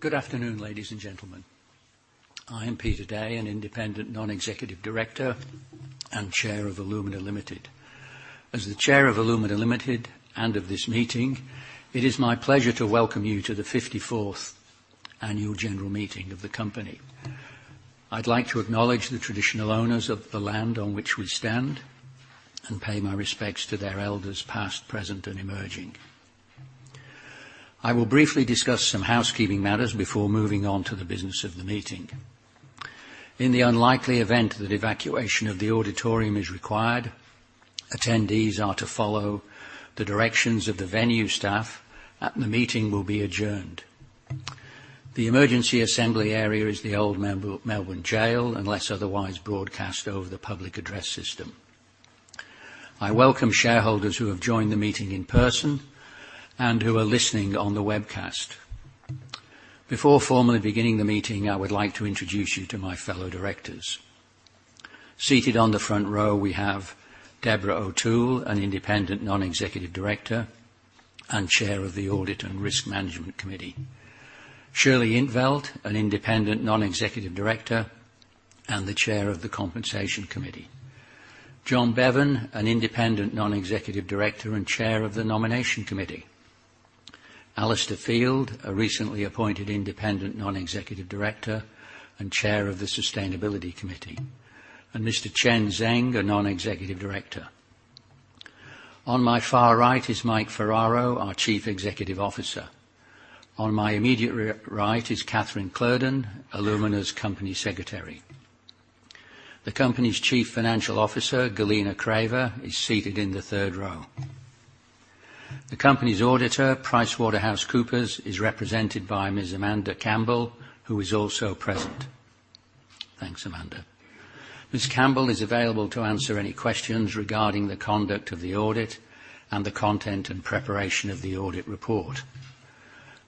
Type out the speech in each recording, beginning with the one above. Good afternoon, ladies and gentlemen. I am Peter Day, an Independent Non-Executive Director and Chair of Alumina Limited. As the Chair of Alumina Limited and of this meeting, it is my pleasure to welcome you to the 54th annual general meeting of the company. I'd like to acknowledge the traditional owners of the land on which we stand, and pay my respects to their elders, past, present, and emerging. I will briefly discuss some housekeeping matters before moving on to the business of the meeting. In the unlikely event that evacuation of the auditorium is required, attendees are to follow the directions of the venue staff, and the meeting will be adjourned. The emergency assembly area is the Old Melbourne Gaol, unless otherwise broadcast over the public address system. I welcome shareholders who have joined the meeting in person and who are listening on the webcast. Before formally beginning the meeting, I would like to introduce you to my fellow directors. Seated on the front row, we have Deborah O’Toole, an Independent Non-Executive Director and Chair of the Audit and Risk Management Committee. Shirley In't Veld, an Independent Non-Executive Director and the Chair of the Compensation Committee. John Bevan, an Independent Non-Executive Director and Chair of the Nomination Committee. Alistair Field, a recently appointed Independent Non-Executive Director and Chair of the Sustainability Committee, and Mr. Chen Zeng, a Non-Executive Director. On my far right is Mike Ferraro, our Chief Executive Officer. On my immediate right is Katherine Kloeden, Alumina's Company Secretary. The company's Chief Financial Officer, Galina Kraeva, is seated in the third row. The company's auditor, PricewaterhouseCoopers, is represented by Ms. Amanda Campbell, who is also present. Thanks, Amanda. Ms. Campbell is available to answer any questions regarding the conduct of the audit and the content and preparation of the audit report.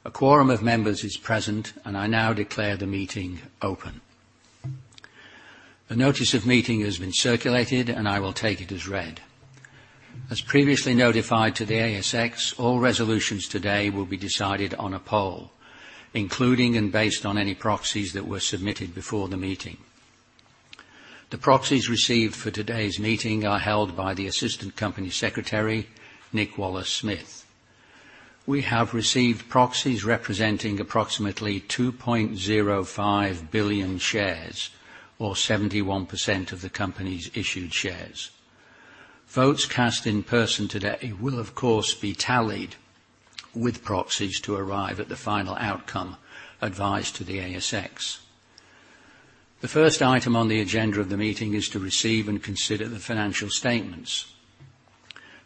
A quorum of members is present, and I now declare the meeting open. The notice of meeting has been circulated, and I will take it as read. As previously notified to the ASX, all resolutions today will be decided on a poll, including and based on any proxies that were submitted before the meeting. The proxies received for today's meeting are held by the Assistant Company Secretary, Nick Wallace-Smith. We have received proxies representing approximately 2.05 billion shares or 71% of the company's issued shares. Votes cast in person today will, of course, be tallied with proxies to arrive at the final outcome advised to the ASX. The first item on the agenda of the meeting is to receive and consider the financial statements.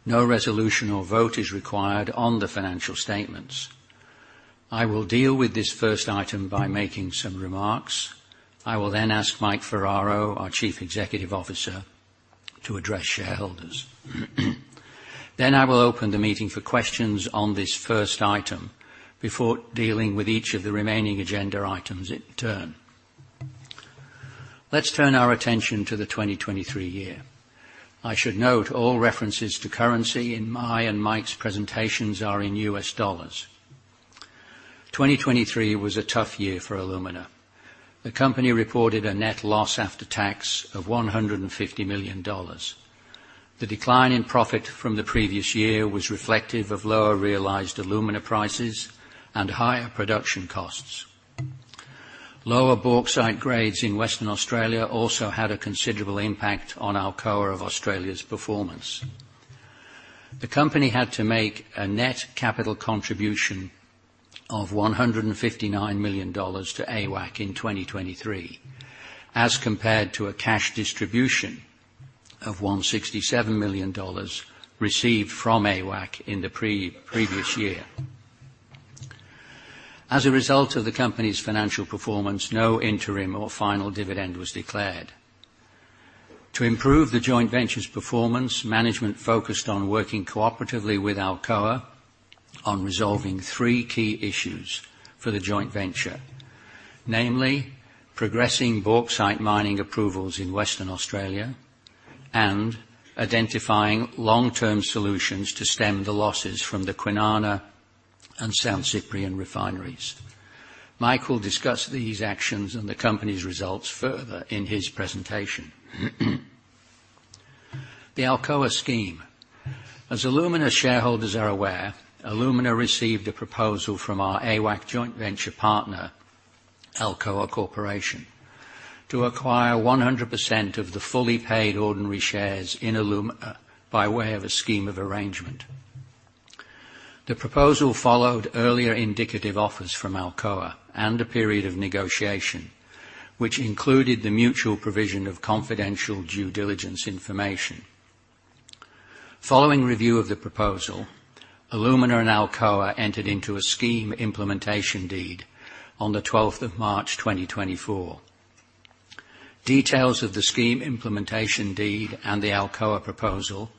No resolution or vote is required on the financial statements. I will deal with this first item by making some remarks. I will then ask Mike Ferraro, our Chief Executive Officer, to address shareholders. Then I will open the meeting for questions on this first item before dealing with each of the remaining agenda items in turn. Let's turn our attention to 2023. I should note all references to currency in my and Mike's presentations are in U.S. dollars. 2023 was a tough year for Alumina. The company reported a net loss after tax of $150 million. The decline in profit from the previous year was reflective of lower realized alumina prices and higher production costs. Lower bauxite grades in Western Australia also had a considerable impact on Alcoa of Australia's performance. The company had to make a net capital contribution of $159 million to AWAC in 2023, as compared to a cash distribution of $167 million received from AWAC in the pre-previous year. As a result of the company's financial performance, no interim or final dividend was declared. To improve the joint venture's performance, management focused on working cooperatively with Alcoa on resolving three key issues for the joint venture. Namely, progressing bauxite mining approvals in Western Australia and identifying long-term solutions to stem the losses from the Kwinana and San Ciprián refineries. Mike will discuss these actions and the company's results further in his presentation. The Alcoa scheme. As Alumina shareholders are aware, Alumina received a proposal from our AWAC joint venture partner, Alcoa Corporation, to acquire 100% of the fully paid ordinary shares in Alumina by way of a scheme of arrangement. The proposal followed earlier indicative offers from Alcoa and a period of negotiation, which included the mutual provision of confidential due diligence information. Following review of the proposal, Alumina and Alcoa entered into a scheme implementation deed on the 12th of March, 2024. Details of the scheme implementation deed and the Alcoa proposal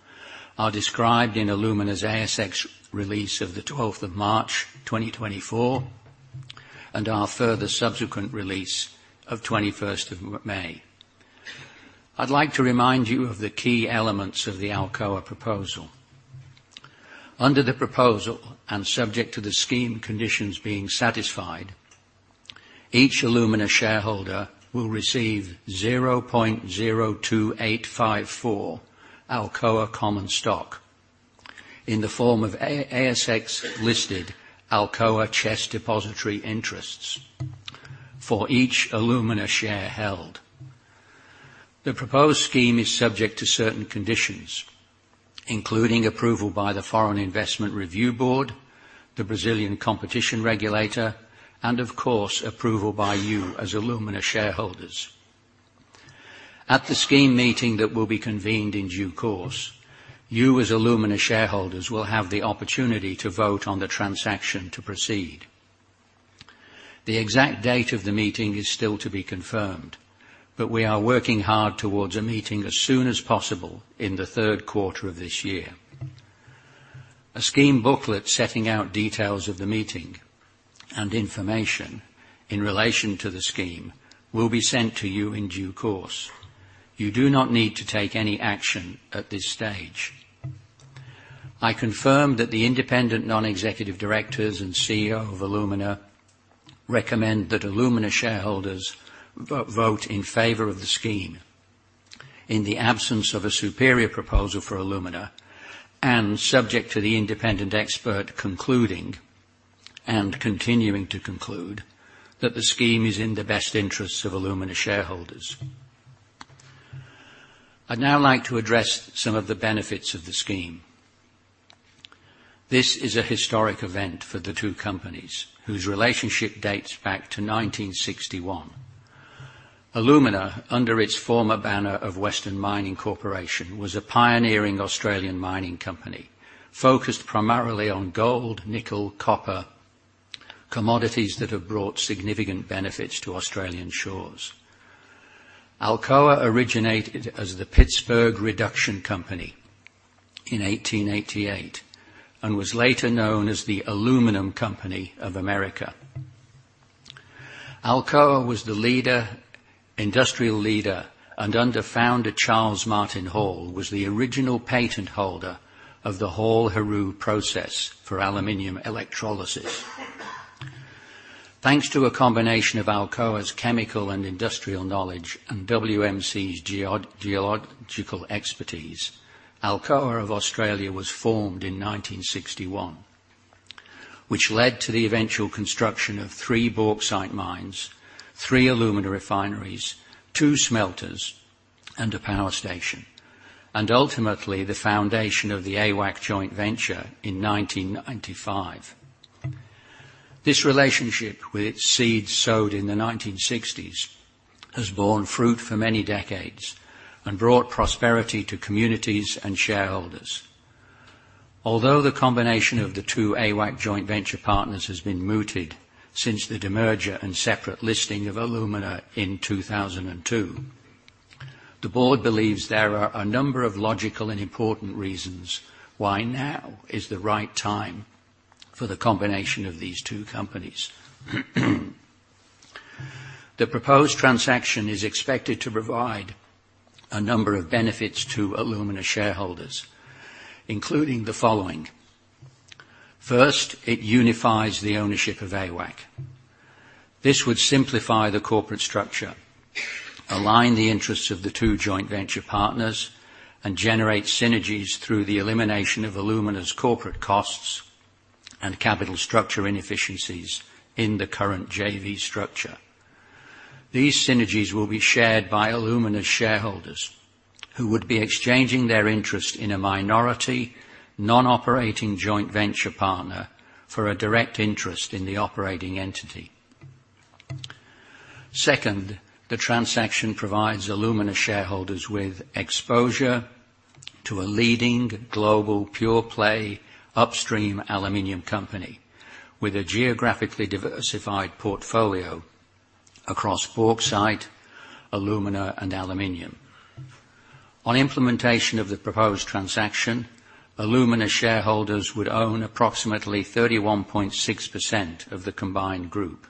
are described in Alumina's ASX release of the 12th of March, 2024, and our further subsequent release of 21st of May. I'd like to remind you of the key elements of the Alcoa proposal. Under the proposal, and subject to the scheme conditions being satisfied, each Alumina shareholder will receive 0.02854 Alcoa common stock in the form of ASX-listed Alcoa CHESS Depositary Interests for each Alumina share held. The proposed scheme is subject to certain conditions, including approval by the Foreign Investment Review Board, the Brazilian competition regulator, and of course, approval by you as Alumina shareholders. At the scheme meeting that will be convened in due course, you, as Alumina shareholders, will have the opportunity to vote on the transaction to proceed. The exact date of the meeting is still to be confirmed, but we are working hard towards a meeting as soon as possible in the third quarter of this year. A scheme booklet, setting out details of the meeting and information in relation to the scheme, will be sent to you in due course. You do not need to take any action at this stage. I confirm that the independent non-executive directors and CEO of Alumina recommend that Alumina shareholders vote in favor of the scheme in the absence of a superior proposal for Alumina, and subject to the independent expert concluding and continuing to conclude that the scheme is in the best interests of Alumina shareholders. I'd now like to address some of the benefits of the scheme. This is a historic event for the two companies, whose relationship dates back to 1961. Alumina, under its former banner of Western Mining Corporation, was a pioneering Australian mining company focused primarily on gold, nickel, copper, commodities that have brought significant benefits to Australian shores. Alcoa originated as the Pittsburgh Reduction Company in 1888 and was later known as the Aluminum Company of America. Alcoa was the leader, industrial leader, and under founder Charles Martin Hall, was the original patent holder of the Hall-Héroult process for aluminium electrolysis. Thanks to a combination of Alcoa's chemical and industrial knowledge and WMC's geological expertise, Alcoa of Australia was formed in 1961, which led to the eventual construction of three bauxite mines, three alumina refineries, two smelters, and a power station, and ultimately, the foundation of the AWAC joint venture in 1995. This relationship, with its seeds sowed in the 1960s, has borne fruit for many decades and brought prosperity to communities and shareholders. Although the combination of the two AWAC joint venture partners has been mooted since the demerger and separate listing of Alumina in 2002, the board believes there are a number of logical and important reasons why now is the right time for the combination of these two companies. The proposed transaction is expected to provide a number of benefits to Alumina shareholders, including the following: First, it unifies the ownership of AWAC. This would simplify the corporate structure, align the interests of the two joint venture partners, and generate synergies through the elimination of Alumina's corporate costs and capital structure inefficiencies in the current JV structure. These synergies will be shared by Alumina shareholders, who would be exchanging their interest in a minority, non-operating joint venture partner for a direct interest in the operating entity. Second, the transaction provides Alumina shareholders with exposure to a leading global pure-play upstream aluminium company with a geographically diversified portfolio across bauxite, alumina, and aluminium. On implementation of the proposed transaction, Alumina shareholders would own approximately 31.6% of the combined group.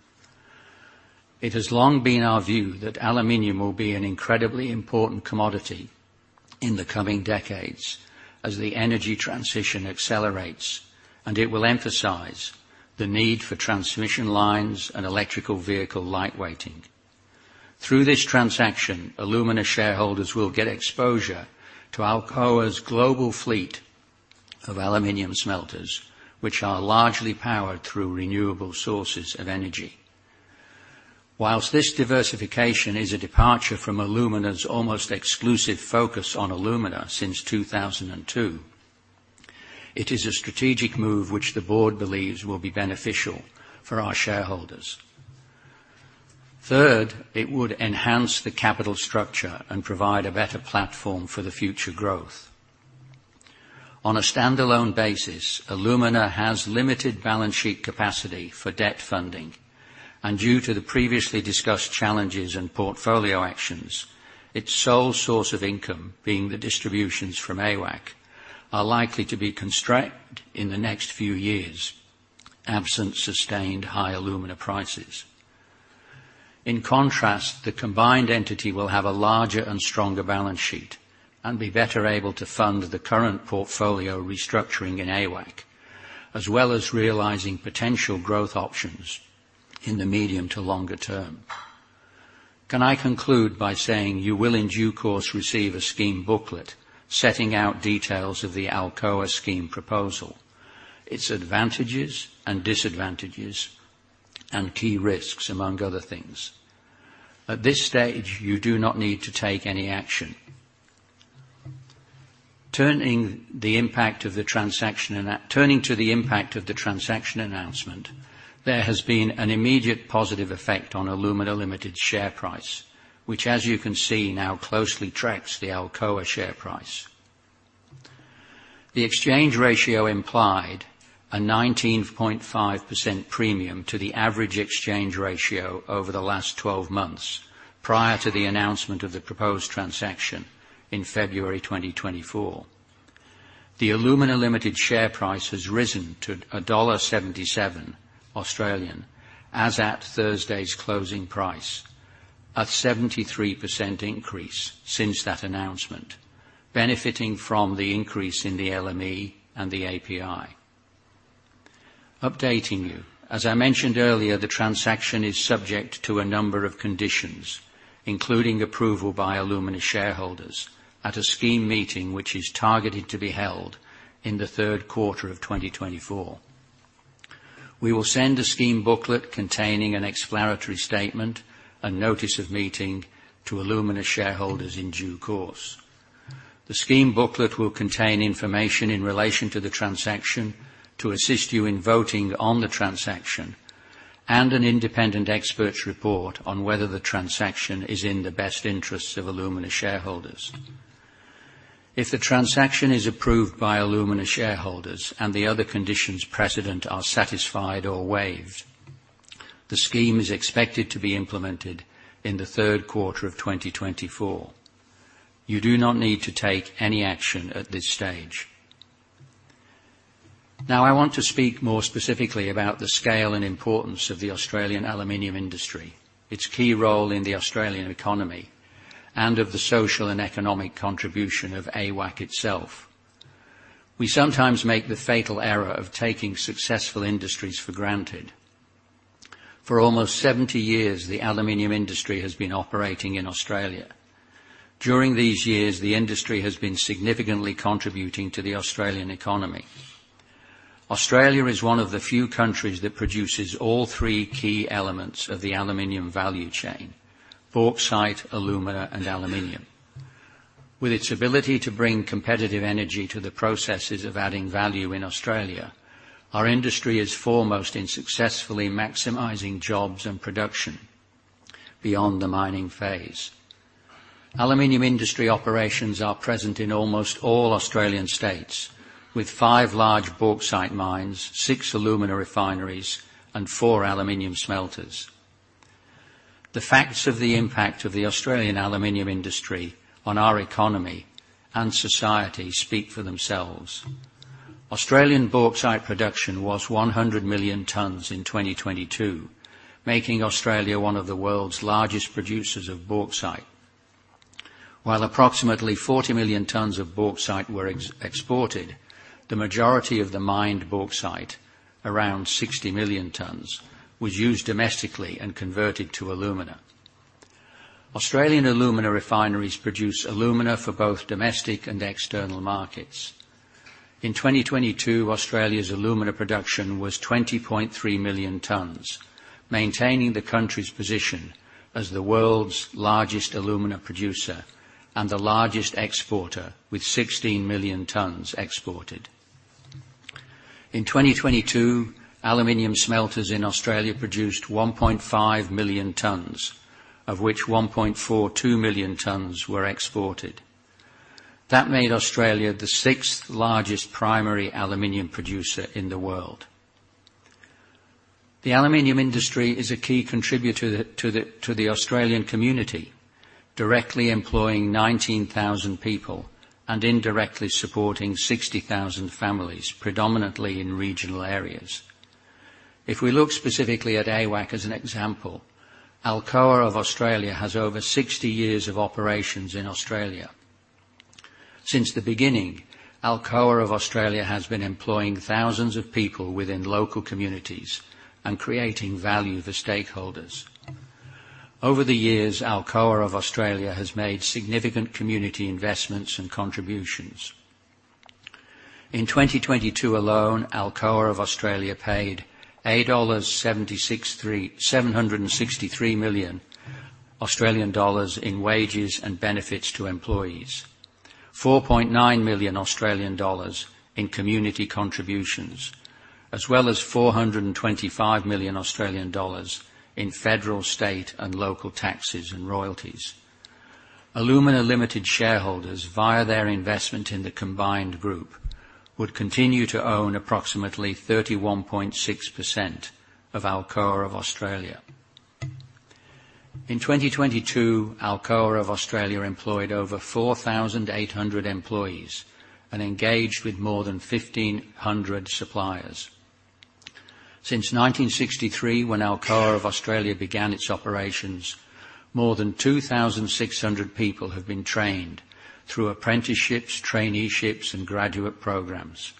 It has long been our view that aluminium will be an incredibly important commodity in the coming decades as the energy transition accelerates, and it will emphasize the need for transmission lines and electrical vehicle lightweighting. Through this transaction, Alumina shareholders will get exposure to Alcoa's global fleet of aluminium smelters, which are largely powered through renewable sources of energy. While this diversification is a departure from Alumina's almost exclusive focus on alumina since 2002, it is a strategic move which the board believes will be beneficial for our shareholders. Third, it would enhance the capital structure and provide a better platform for the future growth. On a standalone basis, Alumina has limited balance sheet capacity for debt funding, and due to the previously discussed challenges and portfolio actions, its sole source of income, being the distributions from AWAC, are likely to be constrained in the next few years... absent sustained high alumina prices. In contrast, the combined entity will have a larger and stronger balance sheet and be better able to fund the current portfolio restructuring in AWAC, as well as realizing potential growth options in the medium to longer term. Can I conclude by saying, you will, in due course, receive a scheme booklet setting out details of the Alcoa scheme proposal, its advantages and disadvantages, and key risks, among other things. At this stage, you do not need to take any action. Turning to the impact of the transaction announcement, there has been an immediate positive effect on Alumina Limited's share price, which, as you can see, now closely tracks the Alcoa share price. The exchange ratio implied a 19.5% premium to the average exchange ratio over the last 12 months prior to the announcement of the proposed transaction in February 2024. The Alumina Limited share price has risen to 1.77 Australian dollars, as at Thursday's closing price, a 73% increase since that announcement, benefiting from the increase in the LME and the API. Updating you, as I mentioned earlier, the transaction is subject to a number of conditions, including approval by Alumina shareholders at a scheme meeting, which is targeted to be held in the third quarter of 2024. We will send a scheme booklet containing an explanatory statement, a notice of meeting to Alumina shareholders in due course. The scheme booklet will contain information in relation to the transaction to assist you in voting on the transaction, and an independent expert's report on whether the transaction is in the best interests of Alumina shareholders. If the transaction is approved by Alumina shareholders and the other conditions precedent are satisfied or waived, the scheme is expected to be implemented in the third quarter of 2024. You do not need to take any action at this stage. Now, I want to speak more specifically about the scale and importance of the Australian aluminium industry, its key role in the Australian economy, and of the social and economic contribution of AWAC itself. We sometimes make the fatal error of taking successful industries for granted. For almost 70 years, the aluminium industry has been operating in Australia. During these years, the industry has been significantly contributing to the Australian economy. Australia is one of the few countries that produces all three key elements of the aluminium value chain: bauxite, alumina, and aluminium. With its ability to bring competitive energy to the processes of adding value in Australia, our industry is foremost in successfully maximizing jobs and production beyond the mining phase. aluminium industry operations are present in almost all Australian states, with five large bauxite mines, six alumina refineries, and four aluminium smelters. The facts of the impact of the Australian aluminium industry on our economy and society speak for themselves. Australian bauxite production was 100 million tonnes in 2022, making Australia one of the world's largest producers of bauxite. While approximately 40 million tonnes of bauxite were exported, the majority of the mined bauxite, around 60 million tonnes, was used domestically and converted to alumina. Australian alumina refineries produce alumina for both domestic and external markets. In 2022, Australia's alumina production was 20.3 million tonnes, maintaining the country's position as the world's largest alumina producer and the largest exporter, with 16 million tonnes exported. In 2022, aluminium smelters in Australia produced 1.5 million tonnes, of which 1.42 million tonnes were exported. That made Australia the sixth-largest primary aluminium producer in the world. The aluminium industry is a key contributor to the Australian community, directly employing 19,000 people and indirectly supporting 60,000 families, predominantly in regional areas. If we look specifically at AWAC as an example, Alcoa of Australia has over 60 years of operations in Australia. Since the beginning, Alcoa of Australia has been employing thousands of people within local communities and creating value for stakeholders. Over the years, Alcoa of Australia has made significant community investments and contributions. In 2022 alone, Alcoa of Australia paid 763 million Australian dollars in wages and benefits to employees, 4.9 million Australian dollars in community contributions, as well as 425 million Australian dollars in federal, state, and local taxes and royalties. Alumina Limited shareholders, via their investment in the combined group, would continue to own approximately 31.6% of Alcoa of Australia. In 2022, Alcoa of Australia employed over 4,800 employees and engaged with more than 1,500 suppliers. Since 1963, when Alcoa of Australia began its operations, more than 2,600 people have been trained through apprenticeships, traineeships, and graduate programs.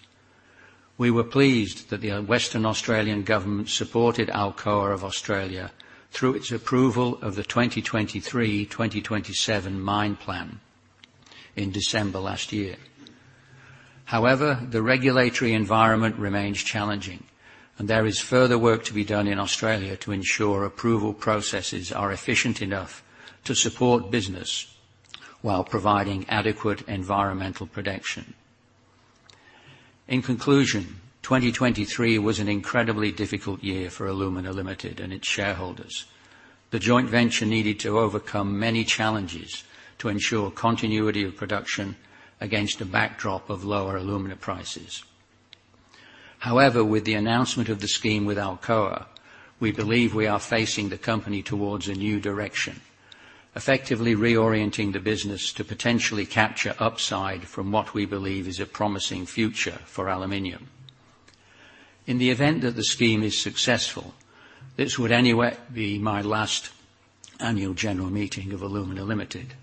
We were pleased that the Western Australian Government supported Alcoa of Australia through its approval of the 2023-2027 mine plan in December last year. However, the regulatory environment remains challenging, and there is further work to be done in Australia to ensure approval processes are efficient enough to support business while providing adequate environmental protection. In conclusion, 2023 was an incredibly difficult year for Alumina Limited and its shareholders. The joint venture needed to overcome many challenges to ensure continuity of production against a backdrop of lower alumina prices. However, with the announcement of the scheme with Alcoa, we believe we are facing the company towards a new direction, effectively reorienting the business to potentially capture upside from what we believe is a promising future for aluminium. In the event that the scheme is successful, this would anyway be my last Annual General Meeting of Alumina Limited.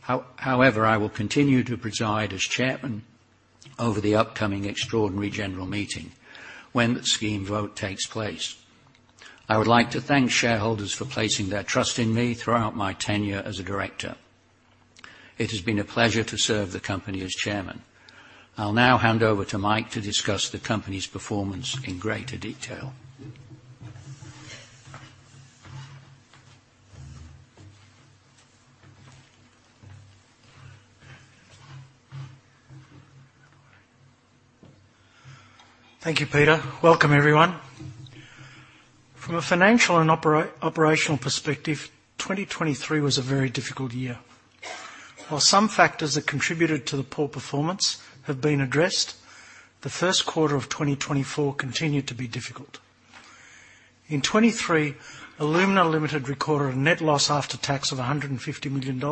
However, I will continue to preside as chairman over the upcoming Extraordinary General Meeting when the scheme vote takes place. I would like to thank shareholders for placing their trust in me throughout my tenure as a director. It has been a pleasure to serve the company as chairman. I'll now hand over to Mike to discuss the company's performance in greater detail. Thank you, Peter. Welcome, everyone. From a financial and operational perspective, 2023 was a very difficult year. While some factors that contributed to the poor performance have been addressed, the first quarter of 2024 continued to be difficult. In 2023, Alumina Limited recorded a net loss after tax of $150 million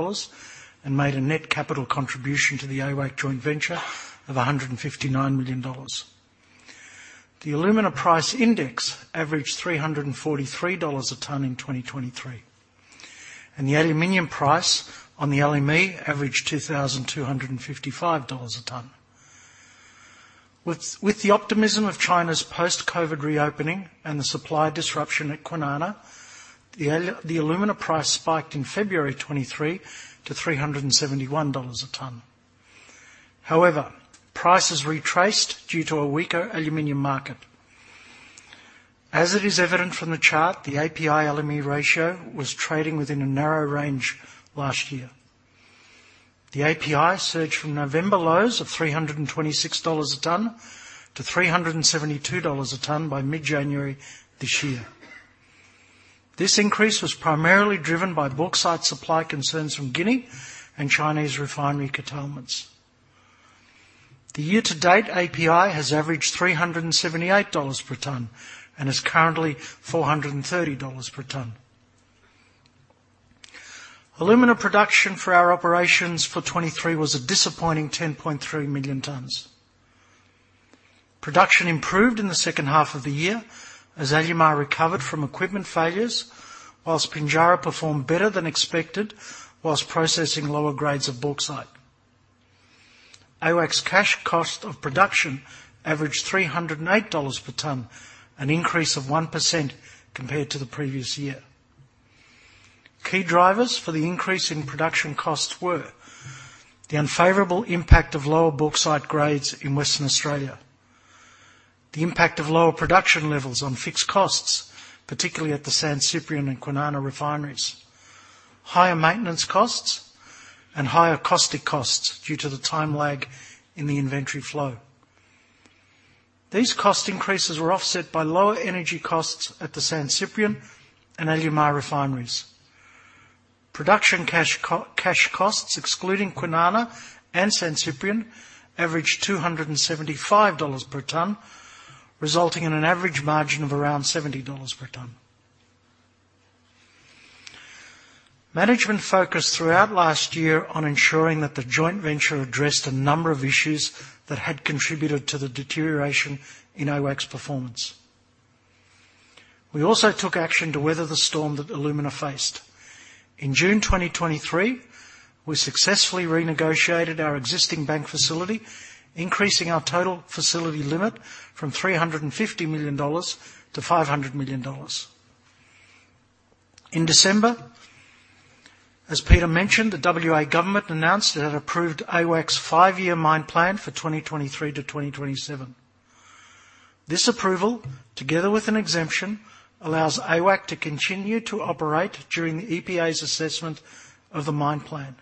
and made a net capital contribution to the AWAC joint venture of $159 million. The Alumina Price Index averaged $343 a ton in 2023, and the aluminium price on the LME averaged $2,255 a ton. With the optimism of China's post-COVID reopening and the supply disruption at Kwinana, the alumina price spiked in February 2023 to $371 a ton. However, prices retraced due to a weaker aluminium market. As it is evident from the chart, the API/LME ratio was trading within a narrow range last year. The API surged from November lows of $326 a ton to $372 a ton by mid-January this year. This increase was primarily driven by bauxite supply concerns from Guinea and Chinese refinery curtailments. The year-to-date API has averaged $378 per ton and is currently $430 per ton. Alumina production for our operations for 2023 was a disappointing 10.3 million tonnes. Production improved in the second half of the year as Alumar recovered from equipment failures, whilst Pinjarra performed better than expected whilst processing lower grades of bauxite. AWAC's cash cost of production averaged $308 per ton, an increase of 1% compared to the previous year. Key drivers for the increase in production costs were: the unfavorable impact of lower bauxite grades in Western Australia, the impact of lower production levels on fixed costs, particularly at the San Ciprián and Kwinana refineries, higher maintenance costs, and higher caustic costs due to the time lag in the inventory flow. These cost increases were offset by lower energy costs at the San Ciprián and Alumar refineries. Production cash costs, excluding Kwinana and San Ciprián, averaged $275 per ton, resulting in an average margin of around $70 per ton. Management focused throughout last year on ensuring that the joint venture addressed a number of issues that had contributed to the deterioration in AWAC's performance. We also took action to weather the storm that Alumina faced. In June 2023, we successfully renegotiated our existing bank facility, increasing our total facility limit from $350 million to $500 million. In December, as Peter mentioned, the WA government announced it had approved AWAC's five-year mine plan for 2023-2027. This approval, together with an exemption, allows AWAC to continue to operate during the EPA's assessment of the mine plan.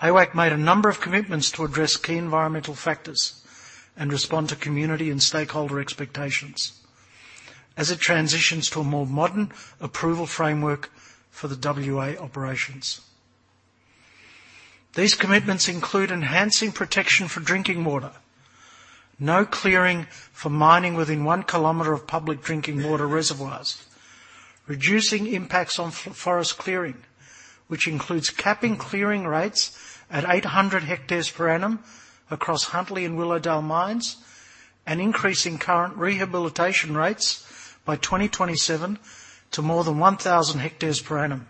AWAC made a number of commitments to address key environmental factors and respond to community and stakeholder expectations as it transitions to a more modern approval framework for the WA operations. These commitments include enhancing protection for drinking water, no clearing for mining within 1 km of public drinking water reservoirs, reducing impacts on forest clearing, which includes capping clearing rates at 800 hectares per annum across Huntly and Willowdale mines, and increasing current rehabilitation rates by 2027 to more than 1,000 hectares per annum.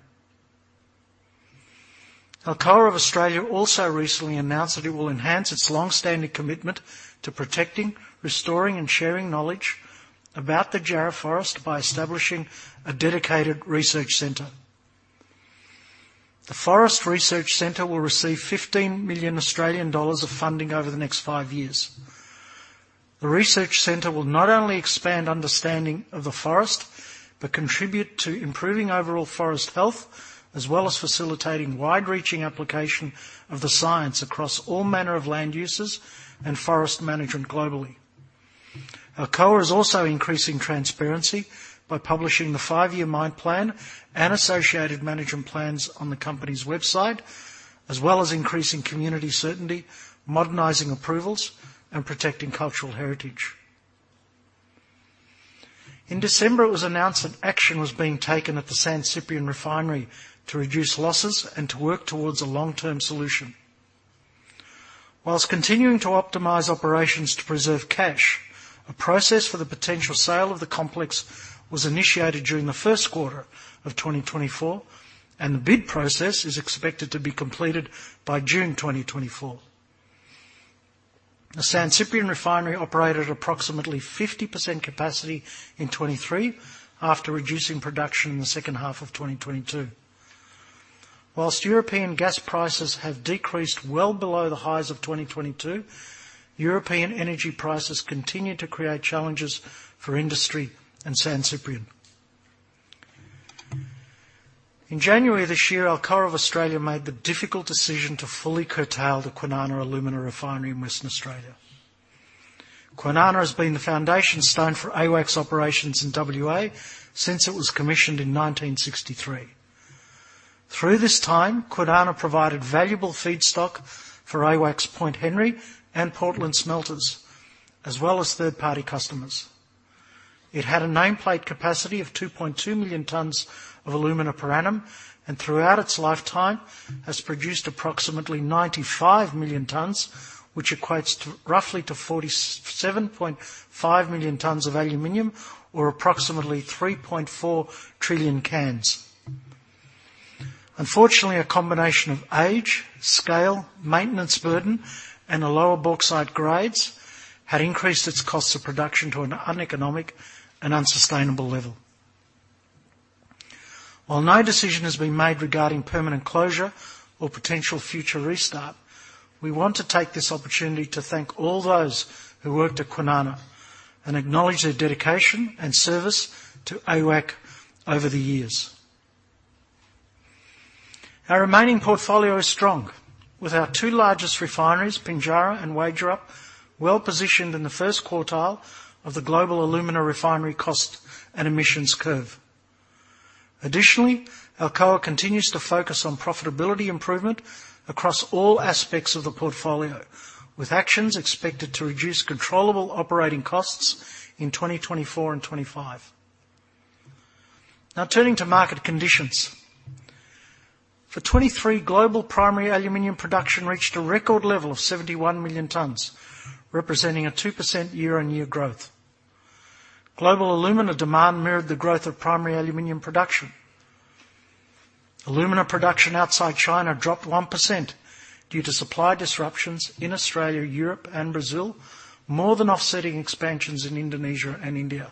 Alcoa of Australia also recently announced that it will enhance its long-standing commitment to protecting, restoring, and sharing knowledge about the Jarrah Forest by establishing a dedicated research center. The Forest Research Centre will receive 15 million Australian dollars of funding over the next five years. The research center will not only expand understanding of the forest, but contribute to improving overall forest health, as well as facilitating wide-reaching application of the science across all manner of land uses and forest management globally. Alcoa is also increasing transparency by publishing the five-year mine plan and associated management plans on the company's website, as well as increasing community certainty, modernizing approvals, and protecting cultural heritage. In December, it was announced that action was being taken at the San Ciprián Refinery to reduce losses and to work towards a long-term solution. While continuing to optimize operations to preserve cash, a process for the potential sale of the complex was initiated during the first quarter of 2024, and the bid process is expected to be completed by June 2024. The San Ciprián Refinery operated at approximately 50% capacity in 2023 after reducing production in the second half of 2022. While European gas prices have decreased well below the highs of 2022, European energy prices continue to create challenges for industry and San Ciprián. In January this year, Alcoa of Australia made the difficult decision to fully curtail the Kwinana Alumina Refinery in Western Australia. Kwinana has been the foundation stone for AWAC's operations in WA since it was commissioned in 1963. Through this time, Kwinana provided valuable feedstock for AWAC's Point Henry and Portland smelters, as well as third-party customers. It had a nameplate capacity of 2.2 million tonnes of alumina per annum, and throughout its lifetime, has produced approximately 95 million tonnes, which equates to roughly 47.5 million tonnes of aluminium, or approximately 3.4 trillion cans. Unfortunately, a combination of age, scale, maintenance burden, and the lower bauxite grades had increased its cost of production to an uneconomic and unsustainable level. While no decision has been made regarding permanent closure or potential future restart, we want to take this opportunity to thank all those who worked at Kwinana and acknowledge their dedication and service to AWAC over the years. Our remaining portfolio is strong, with our two largest refineries, Pinjarra and Wagerup, well-positioned in the first quartile of the global alumina refinery cost and emissions curve. Additionally, Alcoa continues to focus on profitability improvement across all aspects of the portfolio, with actions expected to reduce controllable operating costs in 2024 and 2025. Now turning to market conditions. For 2023, global primary aluminium production reached a record level of 71 million tonnes, representing a 2% year-on-year growth. Global alumina demand mirrored the growth of primary aluminium production. Alumina production outside China dropped 1% due to supply disruptions in Australia, Europe, and Brazil, more than offsetting expansions in Indonesia and India.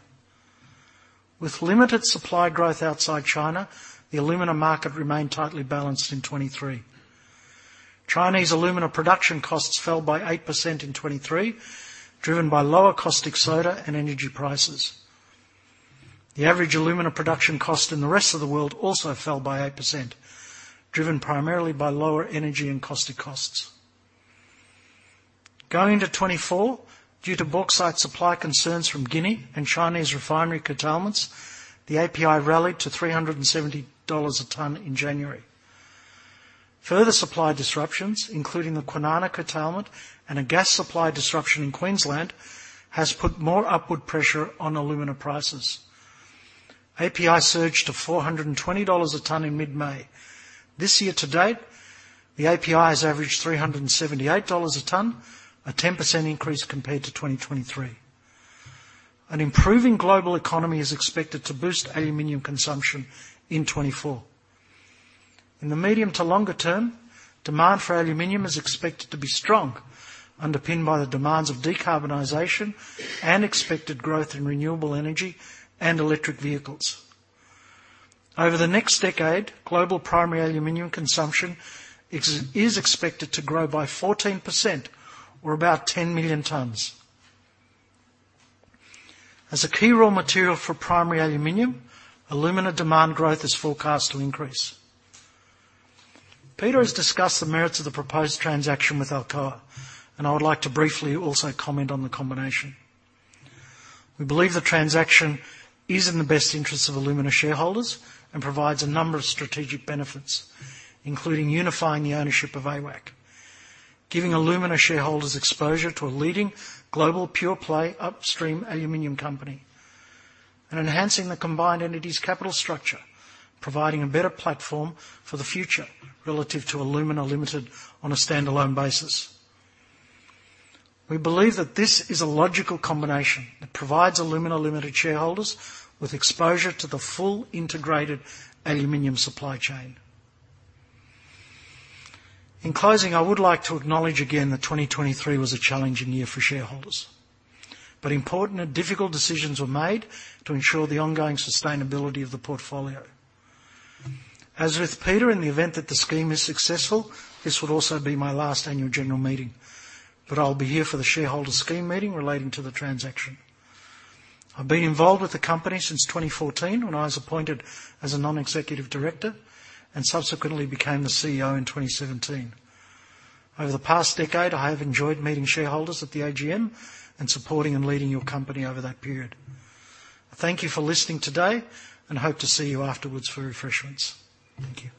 With limited supply growth outside China, the alumina market remained tightly balanced in 2023. Chinese alumina production costs fell by 8% in 2023, driven by lower caustic soda and energy prices. The average alumina production cost in the rest of the world also fell by 8%, driven primarily by lower energy and caustic costs. Going into 2024, due to bauxite supply concerns from Guinea and Chinese refinery curtailments, the API rallied to $370 a tonne in January. Further supply disruptions, including the Kwinana curtailment and a gas supply disruption in Queensland, has put more upward pressure on alumina prices. API surged to $420 a tonne in mid-May. This year to date, the API has averaged $378 a tonne, a 10% increase compared to 2023. An improving global economy is expected to boost aluminium consumption in 2024. In the medium to longer term, demand for aluminium is expected to be strong, underpinned by the demands of decarbonization and expected growth in renewable energy and electric vehicles. Over the next decade, global primary aluminium consumption is expected to grow by 14% or about 10 million tonnes. As a key raw material for primary aluminium, alumina demand growth is forecast to increase. Peter has discussed the merits of the proposed transaction with Alcoa, and I would like to briefly also comment on the combination.... We believe the transaction is in the best interest of Alumina shareholders and provides a number of strategic benefits, including unifying the ownership of AWAC, giving Alumina shareholders exposure to a leading global pure-play upstream aluminium company, and enhancing the combined entity's capital structure, providing a better platform for the future relative to Alumina Limited on a standalone basis. We believe that this is a logical combination that provides Alumina Limited shareholders with exposure to the full integrated aluminium supply chain. In closing, I would like to acknowledge again that 2023 was a challenging year for shareholders, but important and difficult decisions were made to ensure the ongoing sustainability of the portfolio. As with Peter, in the event that the scheme is successful, this would also be my last annual general meeting, but I'll be here for the shareholder scheme meeting relating to the transaction. I've been involved with the company since 2014, when I was appointed as a Non-Executive Director, and subsequently became the CEO in 2017. Over the past decade, I have enjoyed meeting shareholders at the AGM and supporting and leading your company over that period. Thank you for listening today and hope to see you afterwards for refreshments. Thank you.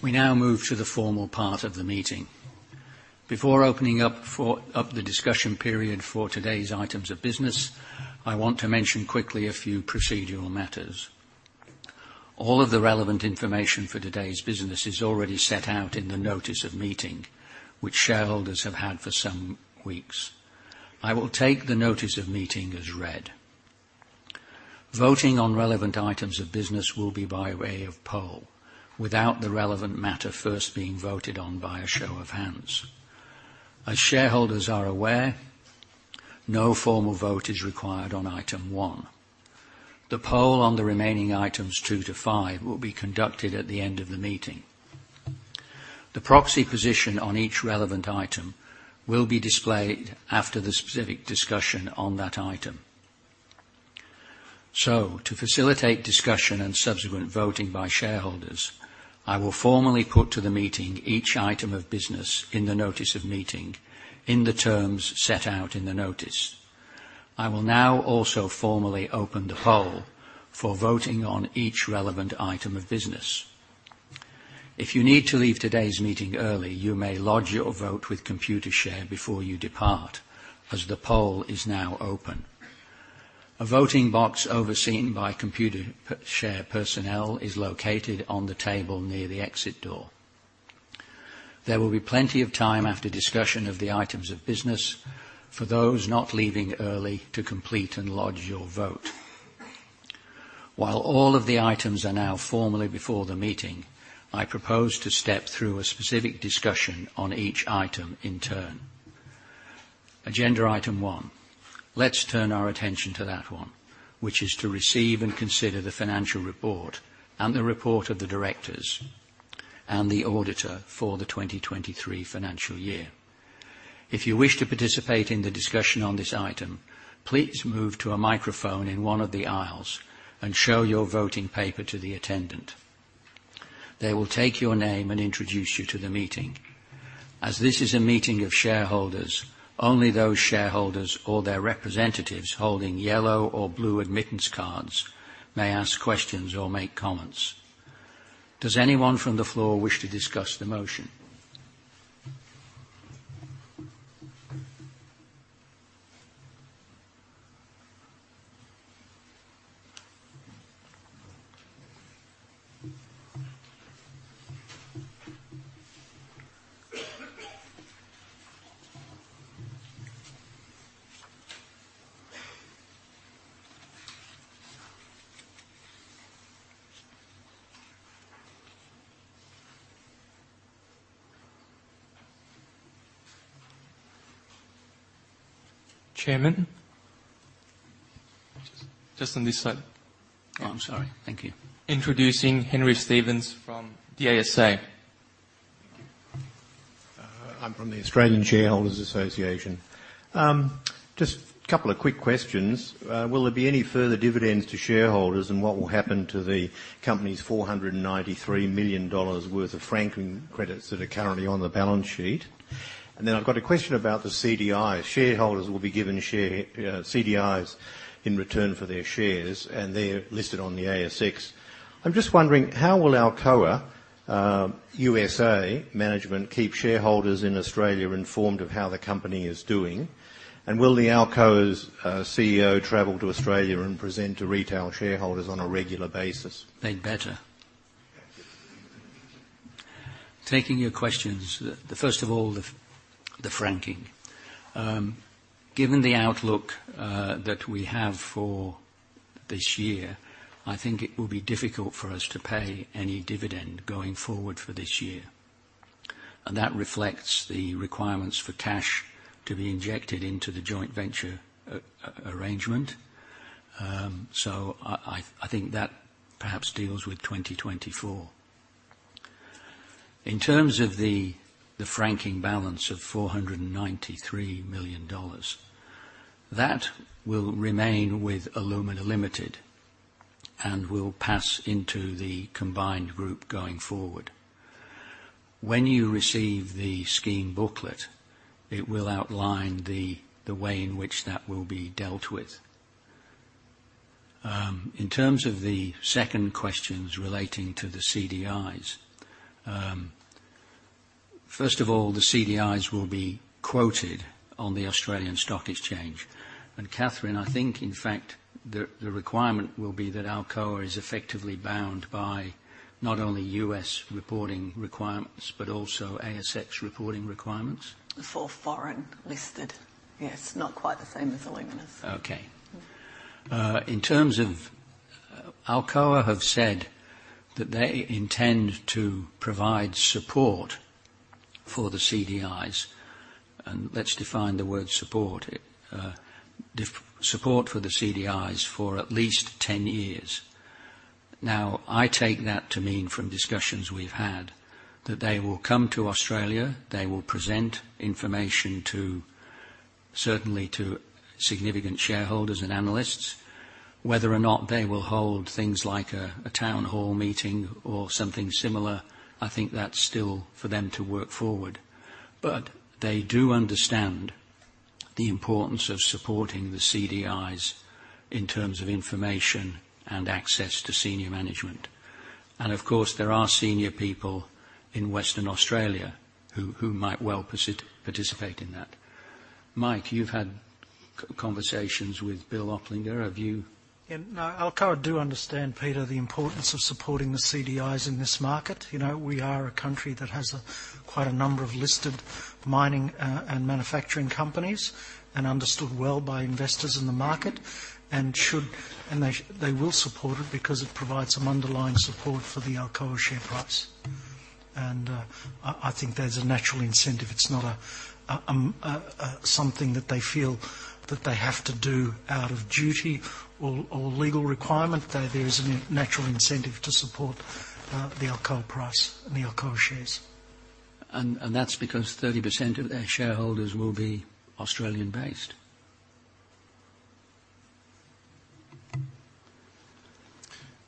We now move to the formal part of the meeting. Before opening up the discussion period for today's items of business, I want to mention quickly a few procedural matters. All of the relevant information for today's business is already set out in the notice of meeting, which shareholders have had for some weeks. I will take the notice of meeting as read. Voting on relevant items of business will be by way of poll, without the relevant matter first being voted on by a show of hands. As shareholders are aware, no formal vote is required on item one. The poll on the remaining items two to five will be conducted at the end of the meeting. The proxy position on each relevant item will be displayed after the specific discussion on that item. So to facilitate discussion and subsequent voting by shareholders, I will formally put to the meeting each item of business in the notice of meeting, in the terms set out in the notice. I will now also formally open the poll for voting on each relevant item of business. If you need to leave today's meeting early, you may lodge your vote with Computershare before you depart, as the poll is now open. A voting box overseen by Computershare personnel is located on the table near the exit door. There will be plenty of time after discussion of the items of business for those not leaving early to complete and lodge your vote. While all of the items are now formally before the meeting, I propose to step through a specific discussion on each item in turn. Agenda item one. Let's turn our attention to that one, which is to receive and consider the financial report and the report of the directors and the auditor for the 2023 financial year. If you wish to participate in the discussion on this item, please move to a microphone in one of the aisles and show your voting paper to the attendant. They will take your name and introduce you to the meeting. As this is a meeting of shareholders, only those shareholders or their representatives holding yellow or blue admittance cards may ask questions or make comments. Does anyone from the floor wish to discuss the motion? Chairman? Just, just on this side. Oh, I'm sorry. Thank you. Introducing Henry Stevens from the ASA. Thank you. I'm from the Australian Shareholders Association. Just a couple of quick questions. Will there be any further dividends to shareholders, and what will happen to the company's 493 million dollars worth of franking credits that are currently on the balance sheet? And then I've got a question about the CDIs. Shareholders will be given share, CDIs in return for their shares, and they're listed on the ASX. I'm just wondering, how will Alcoa, USA management keep shareholders in Australia informed of how the company is doing? And will the Alcoa's CEO travel to Australia and present to retail shareholders on a regular basis? They'd better. Taking your questions, first of all, the franking. Given the outlook that we have for this year, I think it will be difficult for us to pay any dividend going forward for this year, and that reflects the requirements for cash to be injected into the joint venture arrangement. So I think that perhaps deals with 2024. In terms of the franking balance of $493 million, that will remain with Alumina Limited and will pass into the combined group going forward. When you receive the scheme booklet, it will outline the way in which that will be dealt with. In terms of the second questions relating to the CDIs, first of all, the CDIs will be quoted on the Australian Securities Exchange. Katherine, I think in fact, the requirement will be that Alcoa is effectively bound by not only U.S. reporting requirements, but also ASX reporting requirements? For foreign listed, yes. Not quite the same as Alumina's. Okay. In terms of, Alcoa have said that they intend to provide support for the CDIs, and let's define the word support. Support for the CDIs for at least 10 years. Now, I take that to mean, from discussions we've had, that they will come to Australia, they will present information to, certainly to significant shareholders and analysts. Whether or not they will hold things like a, a town hall meeting or something similar, I think that's still for them to work forward. But they do understand the importance of supporting the CDIs in terms of information and access to senior management. And of course, there are senior people in Western Australia who, who might well participate in that. Mike, you've had conversations with Bill Oplinger. Have you- Yeah. No, Alcoa do understand, Peter, the importance of supporting the CDIs in this market. You know, we are a country that has quite a number of listed mining and manufacturing companies, and understood well by investors in the market, and they will support it because it provides some underlying support for the Alcoa share price. And, I think there's a natural incentive. It's not a something that they feel that they have to do out of duty or legal requirement. There is a natural incentive to support the Alcoa price and the Alcoa shares and that's because 30% of their shareholders will be Australian-based.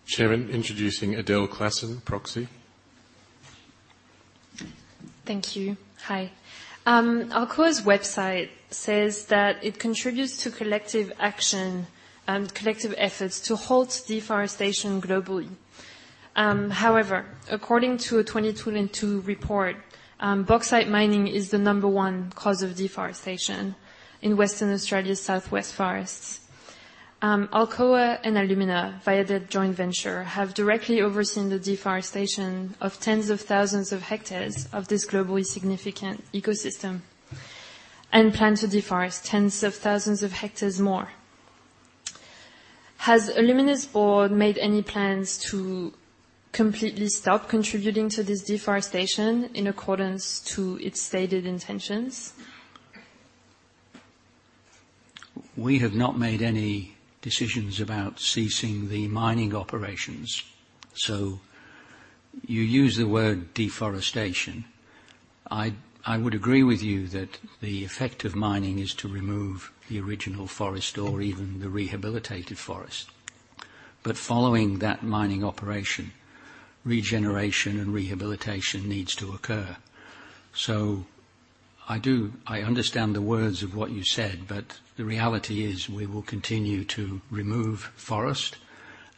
Chairman, introducing Adele Clausen, proxy. Thank you. Hi. Alcoa's website says that it contributes to collective action and collective efforts to halt deforestation globally. However, according to a 2022 report, bauxite mining is the number one cause of deforestation in Western Australia's southwest forests. Alcoa and Alumina, via their joint venture, have directly overseen the deforestation of tens of thousands of hectares of this globally significant ecosystem, and plan to deforest tens of thousands of hectares more. Has Alumina's board made any plans to completely stop contributing to this deforestation in accordance to its stated intentions? We have not made any decisions about ceasing the mining operations. So you use the word deforestation. I would agree with you that the effect of mining is to remove the original forest or even the rehabilitated forest. But following that mining operation, regeneration and rehabilitation needs to occur. So I do understand the words of what you said, but the reality is, we will continue to remove forest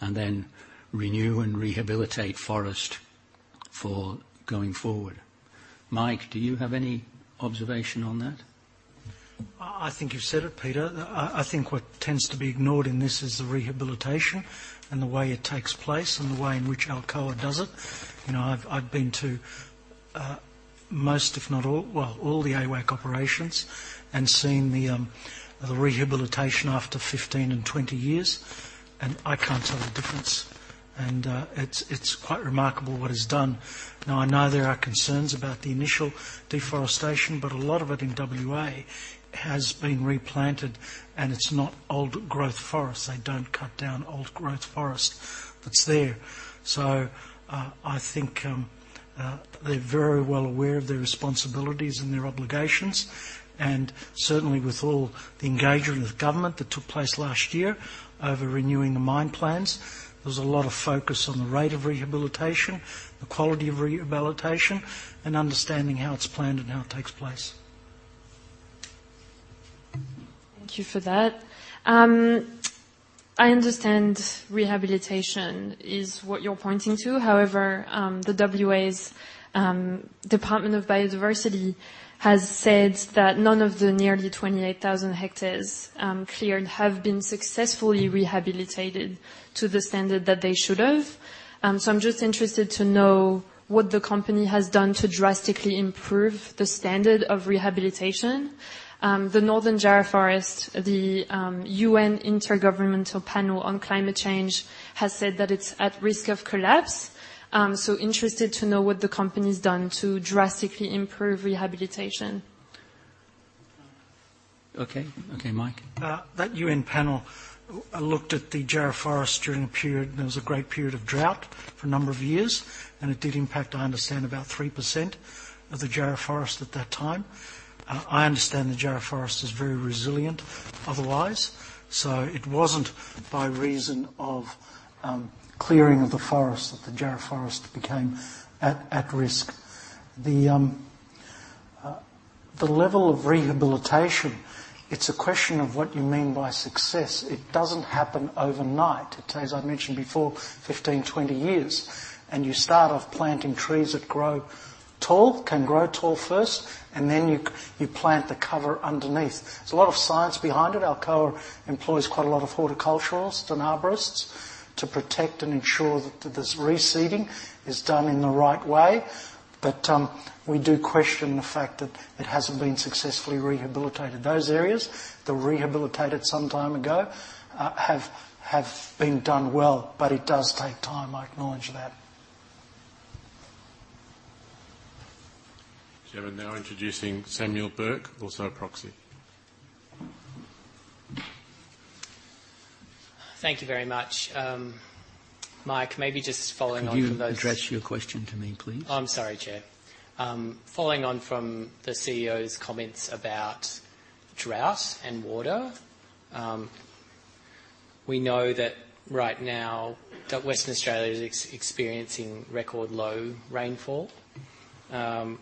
and then renew and rehabilitate forest going forward. Mike, do you have any observation on that? I, I think you've said it, Peter. I, I think what tends to be ignored in this is the rehabilitation and the way it takes place, and the way in which Alcoa does it. You know, I've, I've been to, most, if not all, well, all the AWAC operations and seen the, the rehabilitation after 15 and 20 years, and I can't tell the difference. And, it's, it's quite remarkable what is done. Now, I know there are concerns about the initial deforestation, but a lot of it in WA has been replanted, and it's not old growth forests. They don't cut down old growth forest that's there. I think, they're very well aware of their responsibilities and their obligations, and certainly with all the engagement with government that took place last year over renewing the mine plans, there was a lot of focus on the rate of rehabilitation, the quality of rehabilitation, and understanding how it's planned and how it takes place. Thank you for that. I understand rehabilitation is what you're pointing to. However, the WA's Department of Biodiversity has said that none of the nearly 28,000 hectares cleared have been successfully rehabilitated to the standard that they should have. So I'm just interested to know what the company has done to drastically improve the standard of rehabilitation. The Northern Jarrah Forest, the UN Intergovernmental Panel on Climate Change, has said that it's at risk of collapse. So interested to know what the company's done to drastically improve rehabilitation. Okay. Okay, Mike? That UN panel looked at the Jarrah Forest during a period. There was a great period of drought for a number of years, and it did impact, I understand, about 3% of the Jarrah Forest at that time. I understand the Jarrah Forest is very resilient otherwise, so it wasn't by reason of clearing of the forest that the Jarrah Forest became at risk. The level of rehabilitation, it's a question of what you mean by success. It doesn't happen overnight. It takes, as I mentioned before, 15, 20 years, and you start off planting trees that grow tall, can grow tall first, and then you plant the cover underneath. There's a lot of science behind it. Alcoa employs quite a lot of horticulturalists and arborists to protect and ensure that this reseeding is done in the right way. But, we do question the fact that it hasn't been successfully rehabilitated. Those areas that were rehabilitated some time ago, have been done well, but it does take time, I acknowledge that. Chair, we're now introducing Samuel Burke, also a proxy. Thank you very much. Mike, maybe just following on from those- Could you address your question to me, please? I'm sorry, Chair. Following on from the CEO's comments about drought and water, we know that right now that Western Australia is experiencing record low rainfall. And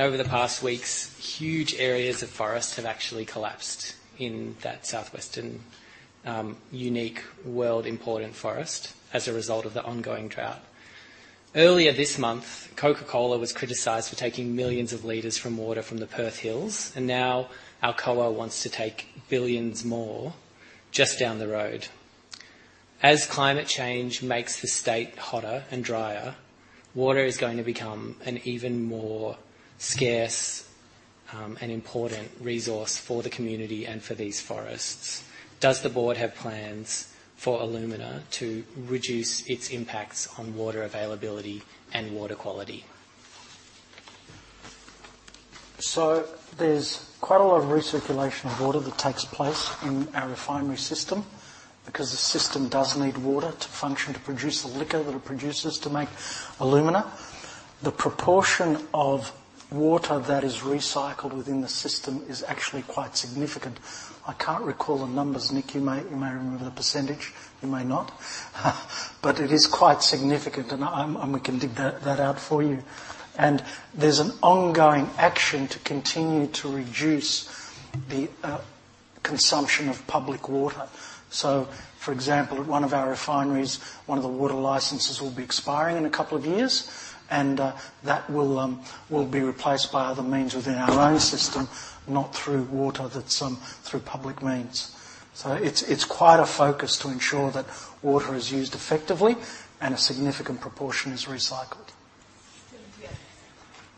over the past weeks, huge areas of forest have actually collapsed in that southwestern, unique, world-important forest as a result of the ongoing drought. Earlier this month, Coca-Cola was criticized for taking millions of liters of water from the Perth Hills, and now Alcoa wants to take billions more just down the road. As climate change makes the state hotter and drier, water is going to become an even more scarce, and important resource for the community and for these forests. Does the board have plans for alumina to reduce its impacts on water availability and water quality? So there's quite a lot of recirculation of water that takes place in our refinery system, because the system does need water to function, to produce the liquor that it produces to make alumina. The proportion of water that is recycled within the system is actually quite significant. I can't recall the numbers. Nick, you may remember the percentage, you may not. But it is quite significant, and I'm. We can dig that out for you. And there's an ongoing action to continue to reduce the consumption of public water. So, for example, at one of our refineries, one of the water licenses will be expiring in a couple of years, and that will be replaced by other means within our own system, not through water that's through public means. So it's quite a focus to ensure that water is used effectively and a significant proportion is recycled.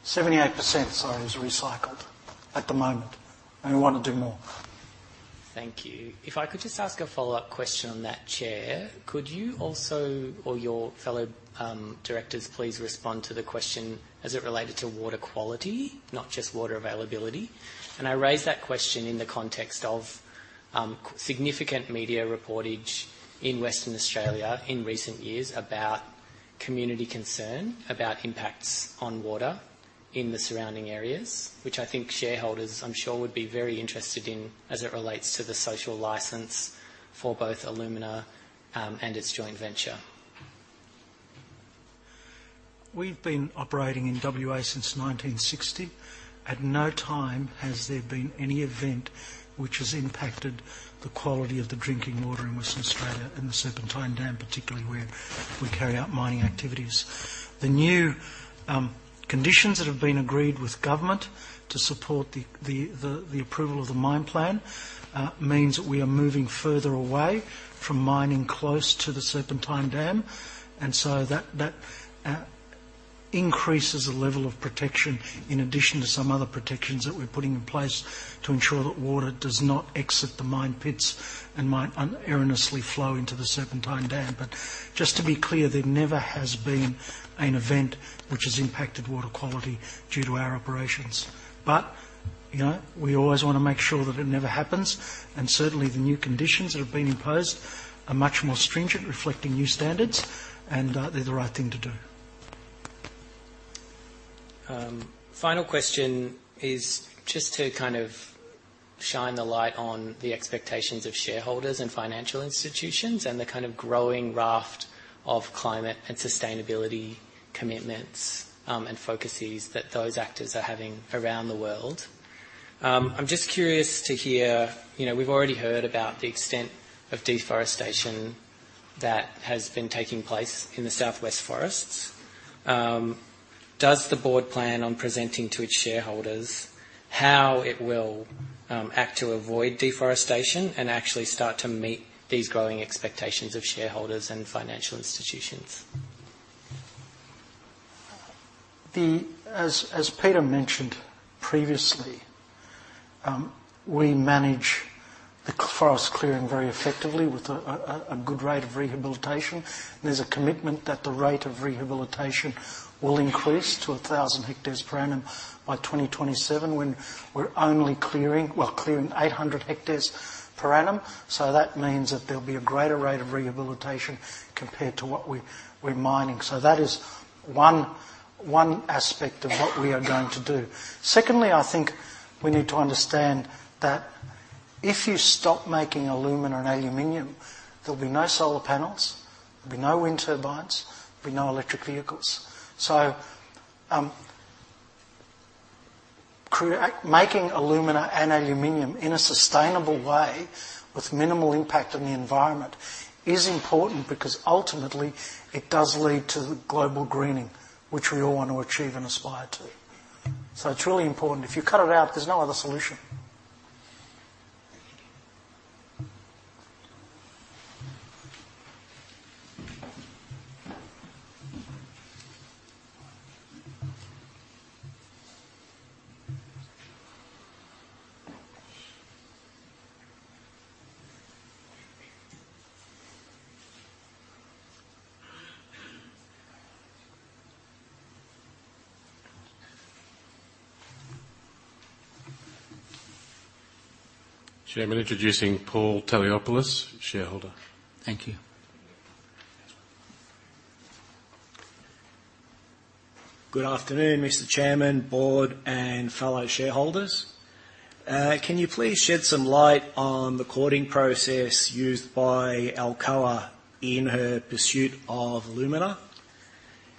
78%, sorry, is recycled at the moment, and we want to do more. Thank you. If I could just ask a follow-up question on that, Chair. Could you also, or your fellow directors, please respond to the question as it related to water quality, not just water availability? I raise that question in the context of significant media reportage in Western Australia in recent years about community concern, about impacts on water in the surrounding areas, which I think shareholders, I'm sure, would be very interested in as it relates to the social license for both Alumina, and its joint venture. We've been operating in WA since 1960. At no time has there been any event which has impacted the quality of the drinking water in Western Australia, and the Serpentine Dam, particularly where we carry out mining activities. The new conditions that have been agreed with government to support the approval of the mine plan means that we are moving further away from mining close to the Serpentine Dam. And so that increases the level of protection, in addition to some other protections that we're putting in place to ensure that water does not exit the mine pits and might inadvertently flow into the Serpentine Dam. But just to be clear, there never has been an event which has impacted water quality due to our operations. You know, we always want to make sure that it never happens, and certainly, the new conditions that have been imposed are much more stringent, reflecting new standards, and they're the right thing to do. Final question is just to kind of shine the light on the expectations of shareholders and financial institutions and the kind of growing raft of climate and sustainability commitments, and focuses that those actors are having around the world. I'm just curious to hear, you know, we've already heard about the extent of deforestation that has been taking place in the southwest forests. Does the board plan on presenting to its shareholders how it will act to avoid deforestation and actually start to meet these growing expectations of shareholders and financial institutions? As Peter mentioned previously, we manage forest clearing very effectively with a good rate of rehabilitation. There's a commitment that the rate of rehabilitation will increase to 1,000 hectares per annum by 2027, when we're only clearing 800 hectares per annum. So that means that there'll be a greater rate of rehabilitation compared to what we're mining. So that is one aspect of what we are going to do. Secondly, I think we need to understand that if you stop making alumina and aluminium, there'll be no solar panels, there'll be no wind turbines, there'll be no electric vehicles. So making alumina and aluminium in a sustainable way with minimal impact on the environment is important because ultimately it does lead to global greening, which we all want to achieve and aspire to. So it's really important. If you cut it out, there's no other solution. Chairman, introducing Paul Taliopoulos, shareholder. Thank you. Good afternoon, Mr. Chairman, board, and fellow shareholders. Can you please shed some light on the courting process used by Alcoa in her pursuit of Alumina?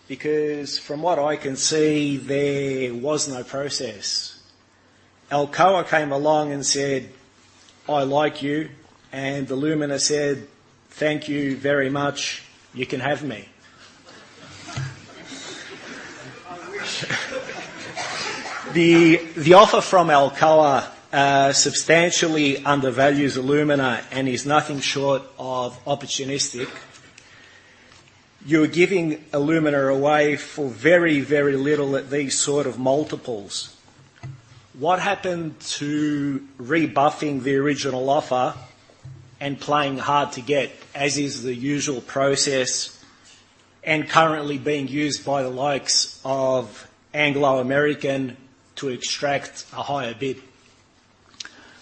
Because from what I can see, there was no process. Alcoa came along and said, "I like you," and Alumina said, "Thank you very much. You can have me. The offer from Alcoa substantially undervalues Alumina and is nothing short of opportunistic. You're giving Alumina away for very, very little at these sort of multiples. What happened to rebuffing the original offer and playing hard to get, as is the usual process, and currently being used by the likes of Anglo American to extract a higher bid?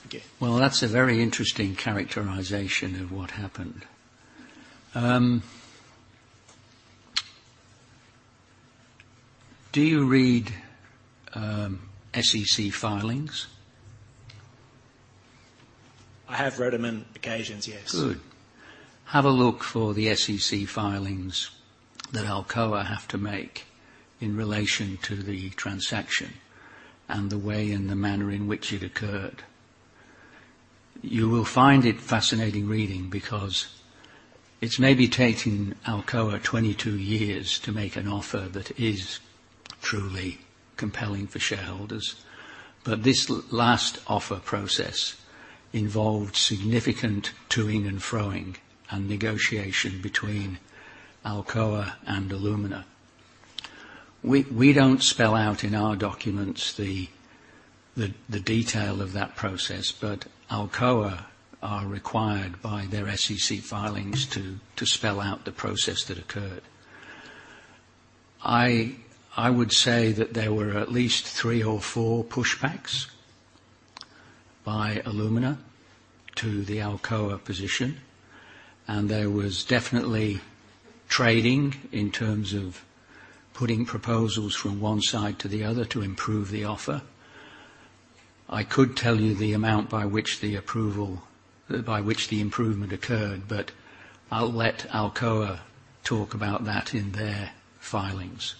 Again. Well, that's a very interesting characterization of what happened. Do you read SEC filings? I have read them on occasions, yes. Good. Have a look for the SEC filings that Alcoa have to make in relation to the transaction and the way and the manner in which it occurred. You will find it fascinating reading because it's maybe taken Alcoa 22 years to make an offer that is truly compelling for shareholders. But this last offer process involved significant to-ing and fro-ing, and negotiation between Alcoa and Alumina. We don't spell out in our documents the detail of that process, but Alcoa are required by their SEC filings to spell out the process that occurred. I would say that there were at least three or four pushbacks by Alumina to the Alcoa position, and there was definitely trading in terms of putting proposals from one side to the other to improve the offer. I could tell you the amount by which the approval, by which the improvement occurred, but I'll let Alcoa talk about that in their filings.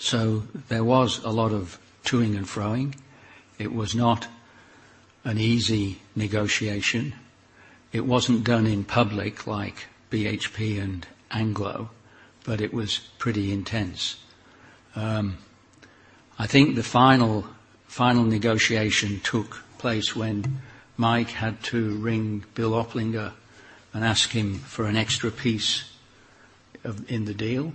So there was a lot of to-ing and fro-ing. It was not an easy negotiation. It wasn't done in public like BHP and Anglo, but it was pretty intense. I think the final, final negotiation took place when Mike had to ring Bill Oplinger and ask him for an extra piece of, in the deal,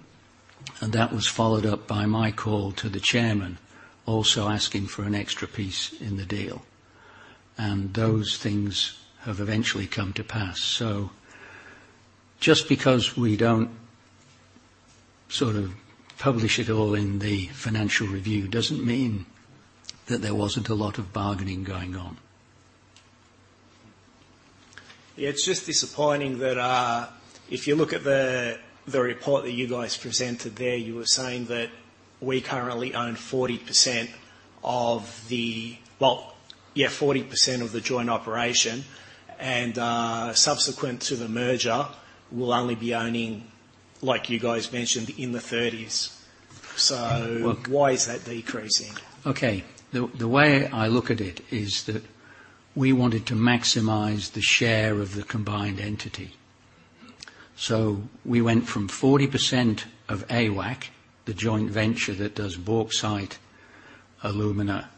and that was followed up by my call to the chairman, also asking for an extra piece in the deal. And those things have eventually come to pass. So just because we don't sort of publish it all in the Financial Review, doesn't mean that there wasn't a lot of bargaining going on. Yeah, it's just disappointing that, if you look at the report that you guys presented there, you were saying that we currently own 40% of the... Well, yeah, 40% of the joint operation, and subsequent to the merger, we'll only be owning, like you guys mentioned, in the 30s. So- Well- Why is that decreasing? Okay. The way I look at it is that we wanted to maximize the share of the combined entity. So we went from 40% of AWAC, the joint venture that does bauxite, alumina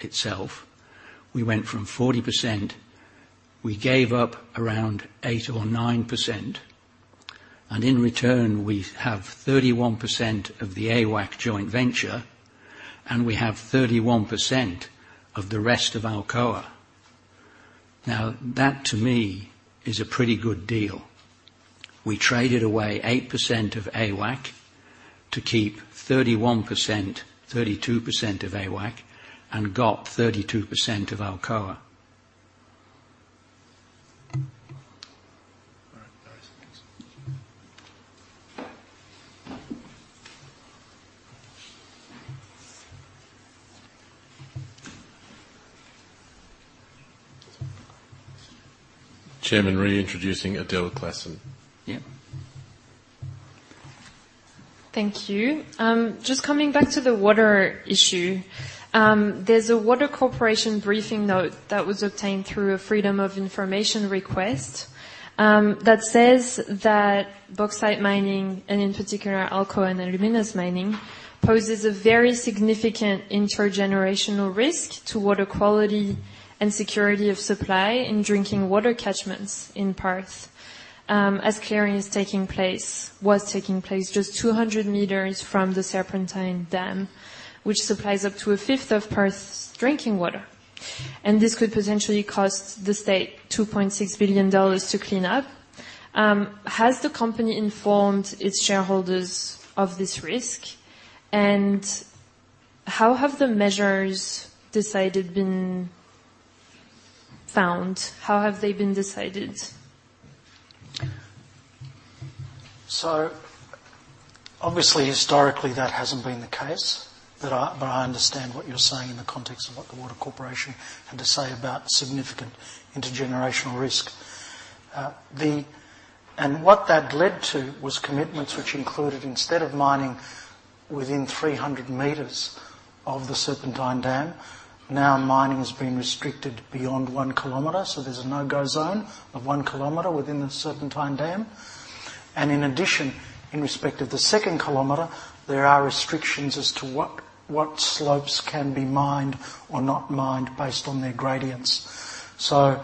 itself. We went from 40%, we gave up around 8% or 9%. And in return, we have 31% of the AWAC joint venture, and we have 31% of the rest of Alcoa. Now, that, to me, is a pretty good deal. We traded away 8% of AWAC to keep 31%, 32% of AWAC and got 32% of Alcoa. All right. Thanks. Chairman, reintroducing Adele Clausen. Yeah. Thank you. Just coming back to the water issue. There's a Water Corporation briefing note that was obtained through a Freedom of Information request, that says that bauxite mining, and in particular, Alcoa and Alumina's mining, poses a very significant intergenerational risk to water quality and security of supply in drinking water catchments in Perth. As clearing is taking place, was taking place just 200 m from the Serpentine Dam, which supplies up to a fifth of Perth's drinking water. And this could potentially cost the state 2.6 billion dollars to clean up. Has the company informed its shareholders of this risk? And how have the measures been decided? How have they been decided? So obviously, historically, that hasn't been the case, but I, but I understand what you're saying in the context of what the Water Corporation had to say about significant intergenerational risk. And what that led to was commitments which included, instead of mining within 300 m of the Serpentine Dam, now mining has been restricted beyond 1 km. So there's a no-go zone of 1 km within the Serpentine Dam. And in addition, in respect of the second kilometer, there are restrictions as to what, what slopes can be mined or not mined based on their gradients. So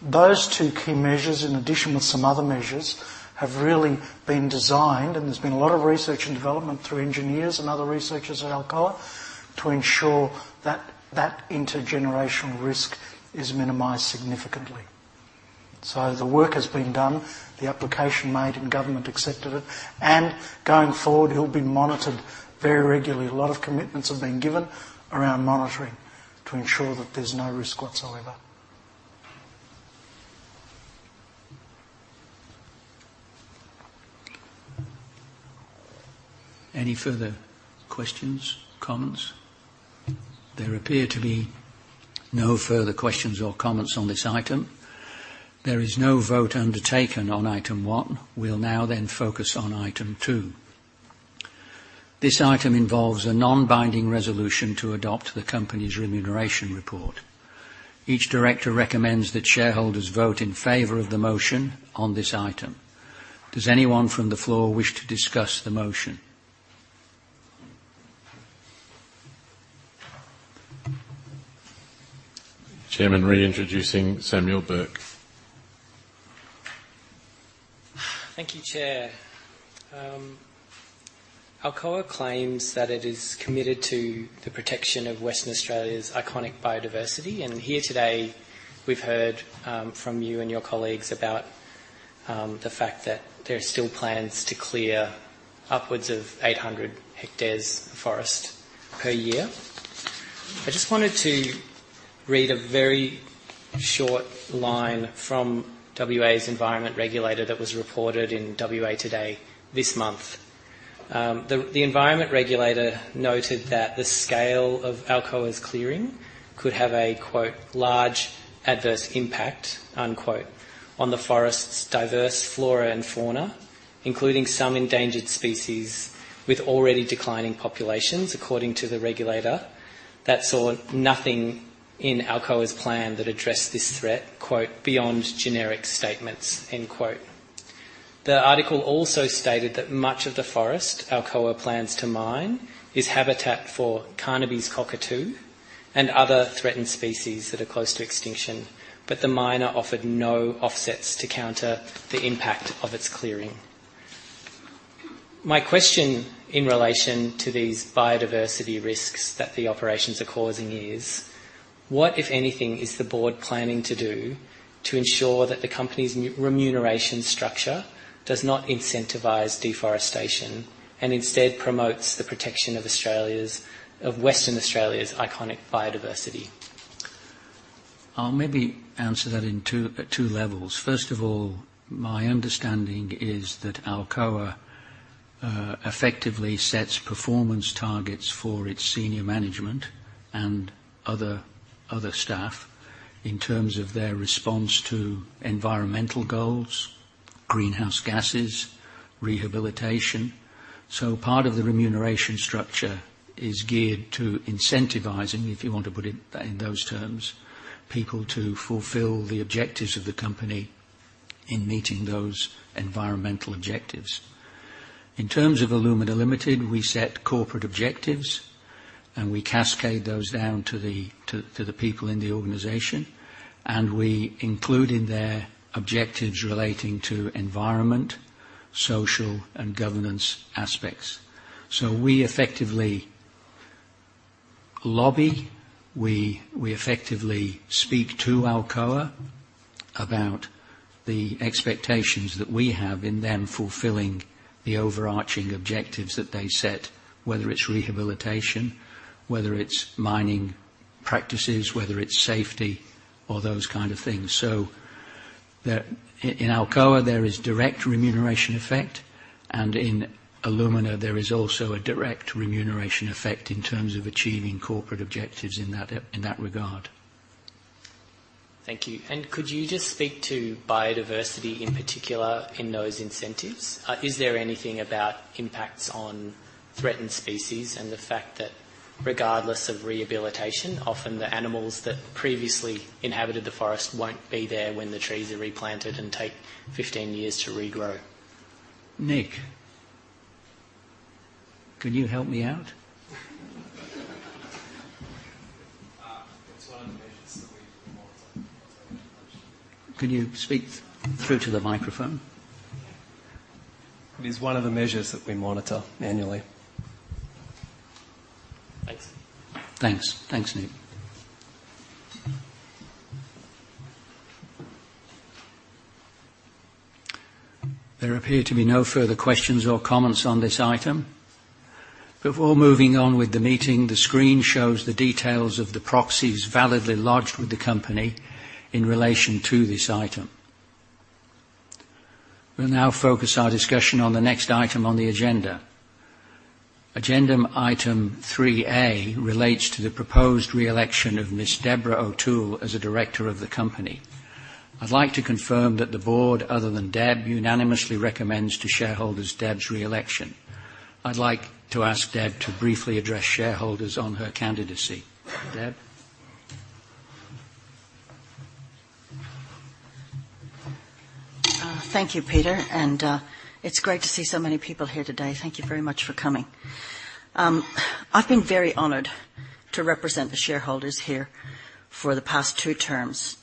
those two key measures, in addition with some other measures, have really been designed, and there's been a lot of research and development through engineers and other researchers at Alcoa, to ensure that, that intergenerational risk is minimized significantly. So the work has been done, the application made, and government accepted it, and going forward, it'll be monitored very regularly. A lot of commitments have been given around monitoring to ensure that there's no risk whatsoever. Any further questions, comments? There appear to be no further questions or comments on this item. There is no vote undertaken on item one. We'll now then focus on item two. This item involves a non-binding resolution to adopt the company's remuneration report. Each director recommends that shareholders vote in favor of the motion on this item. Does anyone from the floor wish to discuss the motion? Chairman, reintroducing Samuel Burke. Thank you, Chair. Alcoa claims that it is committed to the protection of Western Australia's iconic biodiversity, and here today, we've heard, from you and your colleagues about, the fact that there are still plans to clear upwards of 800 hectares of forest per year. I just wanted to read a very short line from WA's environment regulator that was reported in WAtoday this month. The environment regulator noted that the scale of Alcoa's clearing could have a quote, large adverse impact, unquote, on the forest's diverse flora and fauna, including some endangered species with already declining populations, according to the regulator. That saw nothing in Alcoa's plan that addressed this threat, quote, "beyond generic statements," end quote. The article also stated that much of the forest Alcoa plans to mine is habitat for Carnaby's cockatoo and other threatened species that are close to extinction, but the miner offered no offsets to counter the impact of its clearing. My question in relation to these biodiversity risks that the operations are causing is: What, if anything, is the board planning to do to ensure that the company's remuneration structure does not incentivize deforestation and instead promotes the protection of Australia's, of Western Australia's iconic biodiversity? I'll maybe answer that in two, two levels. First of all, my understanding is that Alcoa, effectively sets performance targets for its senior management and other, other staff in terms of their response to environmental goals, greenhouse gases, rehabilitation. So part of the remuneration structure is geared to incentivizing, if you want to put it in those terms, people to fulfill the objectives of the company in meeting those environmental objectives. In terms of Alumina Limited, we set corporate objectives, and we cascade those down to the, to, to the people in the organization, and we include in their objectives relating to environment, social, and governance aspects. So we effectively lobby. We, we effectively speak to Alcoa about the expectations that we have in them fulfilling the overarching objectives that they set, whether it's rehabilitation, whether it's mining practices, whether it's safety or those kind of things. So in Alcoa, there is direct remuneration effect, and in Alumina, there is also a direct remuneration effect in terms of achieving corporate objectives in that regard. Thank you. Could you just speak to biodiversity, in particular, in those incentives? Is there anything about impacts on threatened species and the fact that regardless of rehabilitation, often the animals that previously inhabited the forest won't be there when the trees are replanted and take 15 years to regrow? Nick, can you help me out? Can you speak through to the microphone? It is one of the measures that we monitor annually. Thanks. Thanks. Thanks, Nick. There appear to be no further questions or comments on this item. Before moving on with the meeting, the screen shows the details of the proxies validly lodged with the company in relation to this item. We'll now focus our discussion on the next item on the agenda. Agenda item three A relates to the proposed re-election of Ms. Deborah O'Toole as a Director of the company. I'd like to confirm that the board, other than Deb, unanimously recommends to shareholders Deb's re-election. I'd like to ask Deb to briefly address shareholders on her candidacy. Deb? Thank you, Peter, and, it's great to see so many people here today. Thank you very much for coming. I've been very honored to represent the shareholders here for the past two terms,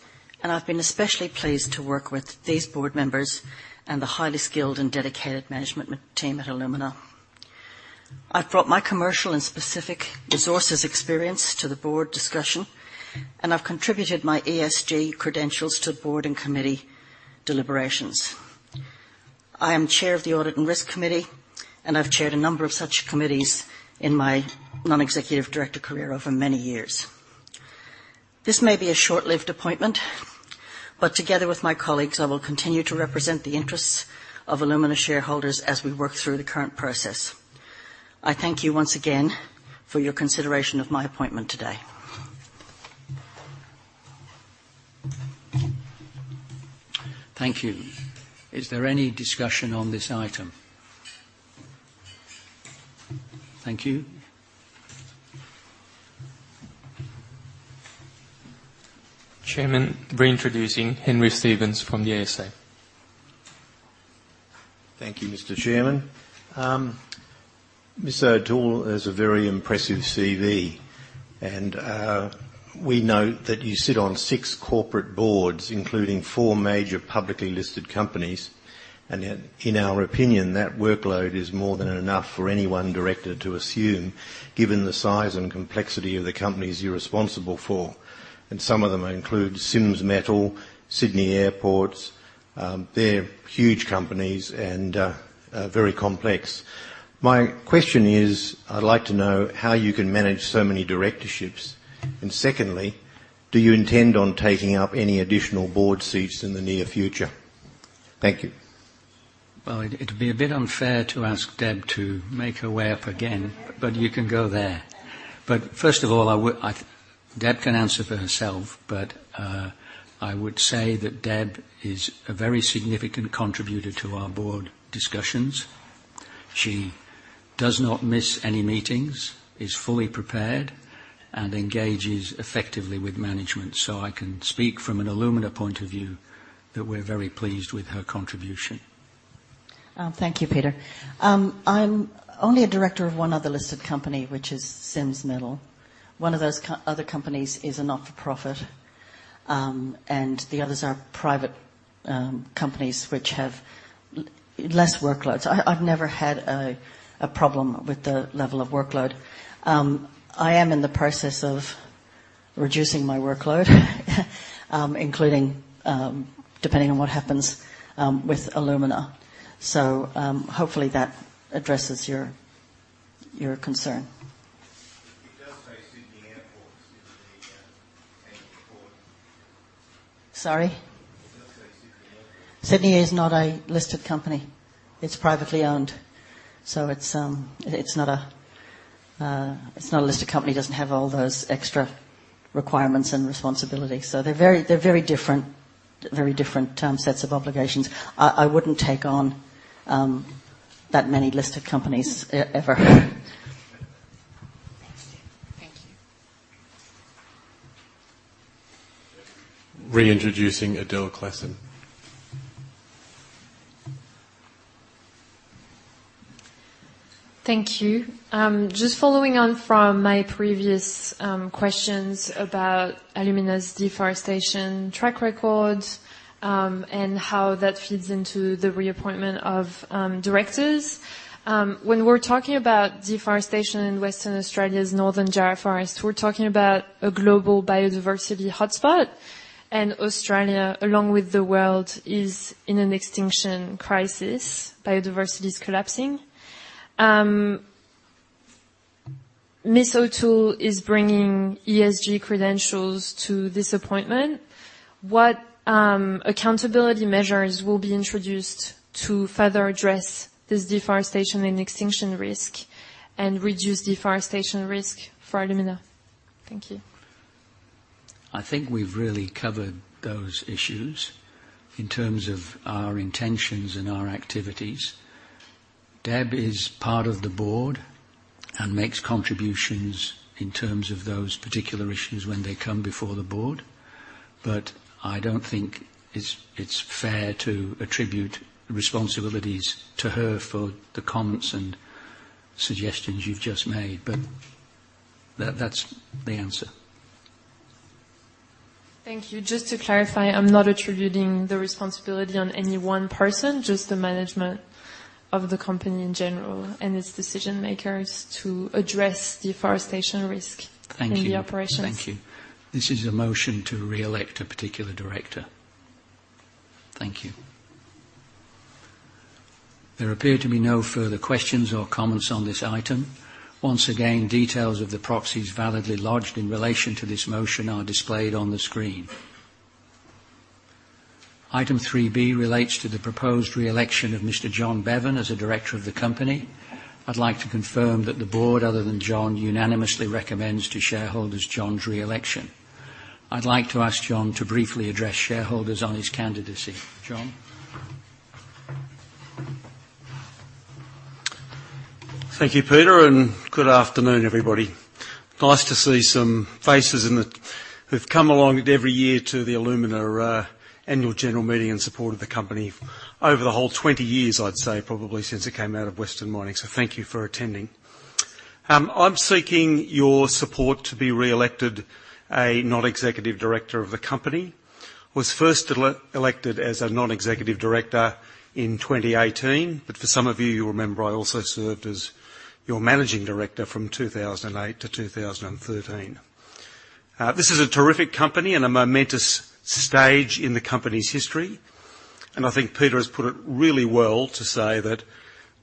and I've been especially pleased to work with these board members and the highly skilled and dedicated management team at Alumina. I've brought my commercial and specific resources experience to the board discussion, and I've contributed my ESG credentials to board and committee deliberations. I am chair of the Audit and Risk Committee, and I've chaired a number of such committees in my non-executive director career over many years. This may be a short-lived appointment, but together with my colleagues, I will continue to represent the interests of Alumina shareholders as we work through the current process. I thank you once again for your consideration of my appointment today. Thank you. Is there any discussion on this item? Thank you. Chairman, reintroducing Henry Stevens from the ASA. Thank you, Mr. Chairman. Ms. O'Toole has a very impressive CV, and, we note that you sit on six corporate boards, including four major publicly listed companies, and in our opinion, that workload is more than enough for any one director to assume, given the size and complexity of the companies you're responsible for. And some of them include Sims Metal, Sydney Airports. They're huge companies and, very complex. My question is, I'd like to know how you can manage so many directorships. And secondly, do you intend on taking up any additional board seats in the near future? Thank you. Well, it'd be a bit unfair to ask Deb to make her way up again, but you can go there. But first of all, Deb can answer for herself, but I would say that Deb is a very significant contributor to our board discussions. She does not miss any meetings, is fully prepared, and engages effectively with management. So I can speak from an Alumina point of view that we're very pleased with her contribution. Thank you, Peter. I'm only a director of one other listed company, which is Sims Metal. One of those other companies is a not-for-profit, and the others are private companies, which have less workloads. I've never had a problem with the level of workload. I am in the process of reducing my workload, including, depending on what happens, with Alumina. So, hopefully that addresses your concern. Sorry? Sydney is not a listed company. It's privately owned, so it's not a listed company. It doesn't have all those extra requirements and responsibilities, so they're very different sets of obligations. I wouldn't take on that many listed companies ever. Reintroducing Adele Clausen. Thank you. Just following on from my previous, questions about Alumina's deforestation track record, and how that feeds into the reappointment of, directors. When we're talking about deforestation in Western Australia's Northern Jarrah Forest, we're talking about a global biodiversity hotspot, and Australia, along with the world, is in an extinction crisis. Biodiversity is collapsing. Ms. O’Toole is bringing ESG credentials to this appointment. What, accountability measures will be introduced to further address this deforestation and extinction risk, and reduce deforestation risk for Alumina? Thank you. I think we've really covered those issues in terms of our intentions and our activities. Deb is part of the board and makes contributions in terms of those particular issues when they come before the board, but I don't think it's fair to attribute responsibilities to her for the comments and suggestions you've just made. But that's the answer. Thank you. Just to clarify, I'm not attributing the responsibility on any one person, just the management of the company in general and its decision makers to address deforestation risk- Thank you. in the operations. Thank you. This is a motion to re-elect a particular director. Thank you. There appear to be no further questions or comments on this item. Once again, details of the proxies validly lodged in relation to this motion are displayed on the screen. Item 3B relates to the proposed re-election of Mr. John Bevan as a director of the company. I'd like to confirm that the board, other than John, unanimously recommends to shareholders John's re-election. I'd like to ask John to briefly address shareholders on his candidacy. John? Thank you, Peter, and good afternoon, everybody. Nice to see some faces who've come along every year to the Alumina annual general meeting in support of the company over the whole 20 years, I'd say, probably, since it came out of Western Mining. So thank you for attending. I'm seeking your support to be re-elected a non-executive director of the company. I was first elected as a non-executive director in 2018, but for some of you, you'll remember I also served as your managing director from 2008 to 2013. This is a terrific company and a momentous stage in the company's history, and I think Peter has put it really well to say that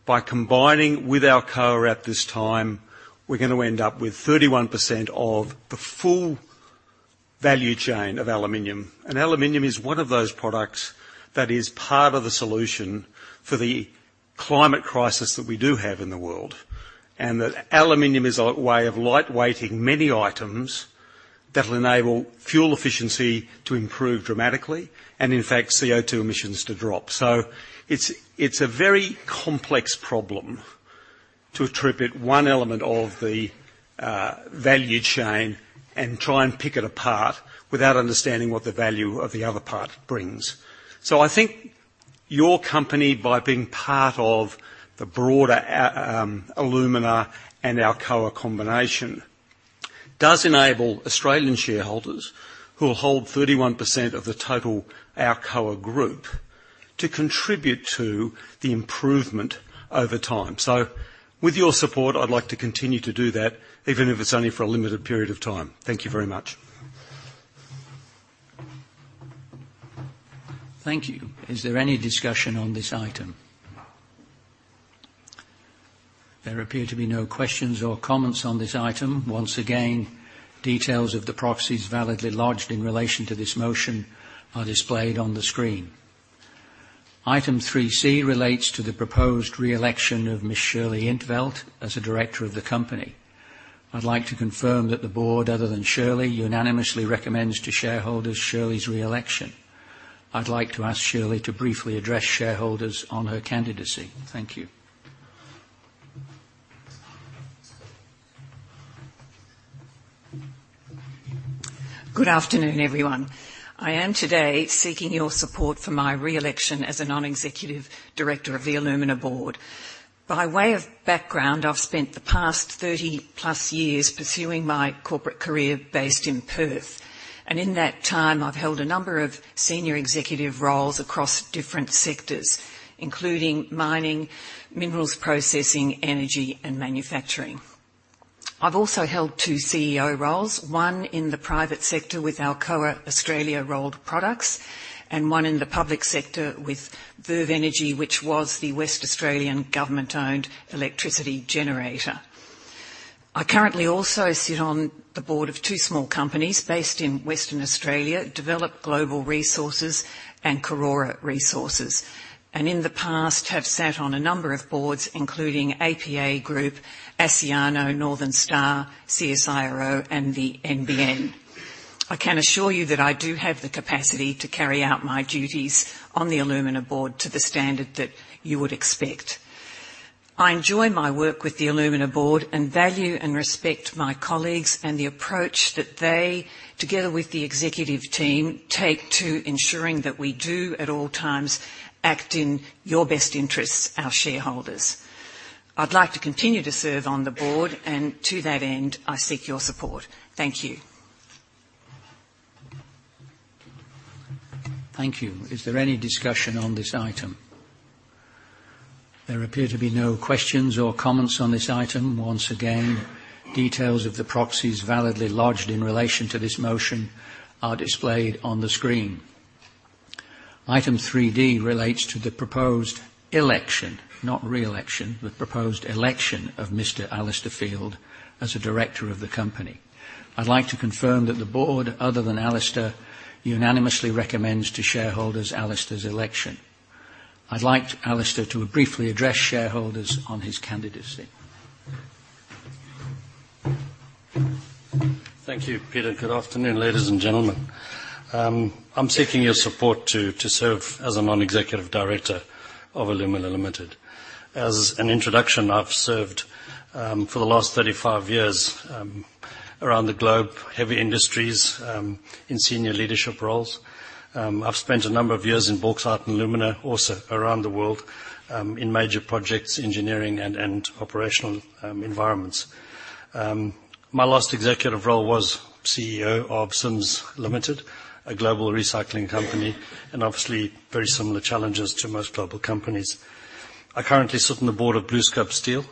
by combining with Alcoa at this time, we're gonna end up with 31% of the full value chain of aluminium. And aluminium is one of those products that is part of the solution for the climate crisis that we do have in the world, and that aluminium is a way of lightweighting many items that will enable fuel efficiency to improve dramatically, and in fact, CO2 emissions to drop. So it's a very complex problem to attribute one element of the value chain and try and pick it apart without understanding what the value of the other part brings. So I think your company, by being part of the broader AWAC, Alumina and Alcoa combination, does enable Australian shareholders, who will hold 31% of the total Alcoa group, to contribute to the improvement over time. So with your support, I'd like to continue to do that, even if it's only for a limited period of time. Thank you very much. Thank you. Is there any discussion on this item? There appear to be no questions or comments on this item. Once again, details of the proxies validly lodged in relation to this motion are displayed on the screen. Item 3C relates to the proposed re-election of Ms. Shirley In't Veld as a director of the company. I'd like to confirm that the board, other than Shirley, unanimously recommends to shareholders Shirley's re-election. I'd like to ask Shirley to briefly address shareholders on her candidacy. Thank you. Good afternoon, everyone. I am today seeking your support for my re-election as a non-executive director of the Alumina Board. By way of background, I've spent the past 30+ years pursuing my corporate career based in Perth, and in that time, I've held a number of senior executive roles across different sectors, including mining, minerals processing, energy, and manufacturing. I've also held two CEO roles, one in the private sector with Alcoa Australia Rolled Products, and one in the public sector with Verve Energy, which was the West Australian government-owned electricity generator. I currently also sit on the board of two small companies based in Western Australia, Develop Global Limited and Karora Resources, and in the past, have sat on a number of boards, including APA Group, Asciano, Northern Star, CSIRO, and the NBN. I can assure you that I do have the capacity to carry out my duties on the Alumina board to the standard that you would expect. I enjoy my work with the Alumina board and value and respect my colleagues and the approach that they, together with the executive team, take to ensuring that we do, at all times, act in your best interests, our shareholders. I'd like to continue to serve on the board, and to that end, I seek your support. Thank you. Thank you. Is there any discussion on this item? There appear to be no questions or comments on this item. Once again, details of the proxies validly lodged in relation to this motion are displayed on the screen. Item 3D relates to the proposed election, not re-election, the proposed election of Mr. Alistair Field as a Director of the company. I'd like to confirm that the board, other than Alistair, unanimously recommends to shareholders Alistair's election. I'd like Alistair to briefly address shareholders on his candidacy. Thank you, Peter. Good afternoon, ladies and gentlemen. I'm seeking your support to serve as a non-executive director of Alumina Limited. As an introduction, I've served for the last 35 years around the globe, heavy industries, in senior leadership roles. I've spent a number of years in bauxite and alumina, also around the world, in major projects, engineering and operational environments. My last executive role was CEO of Sims Limited, a global recycling company, and obviously, very similar challenges to most global companies. I currently sit on the board of BlueScope Steel,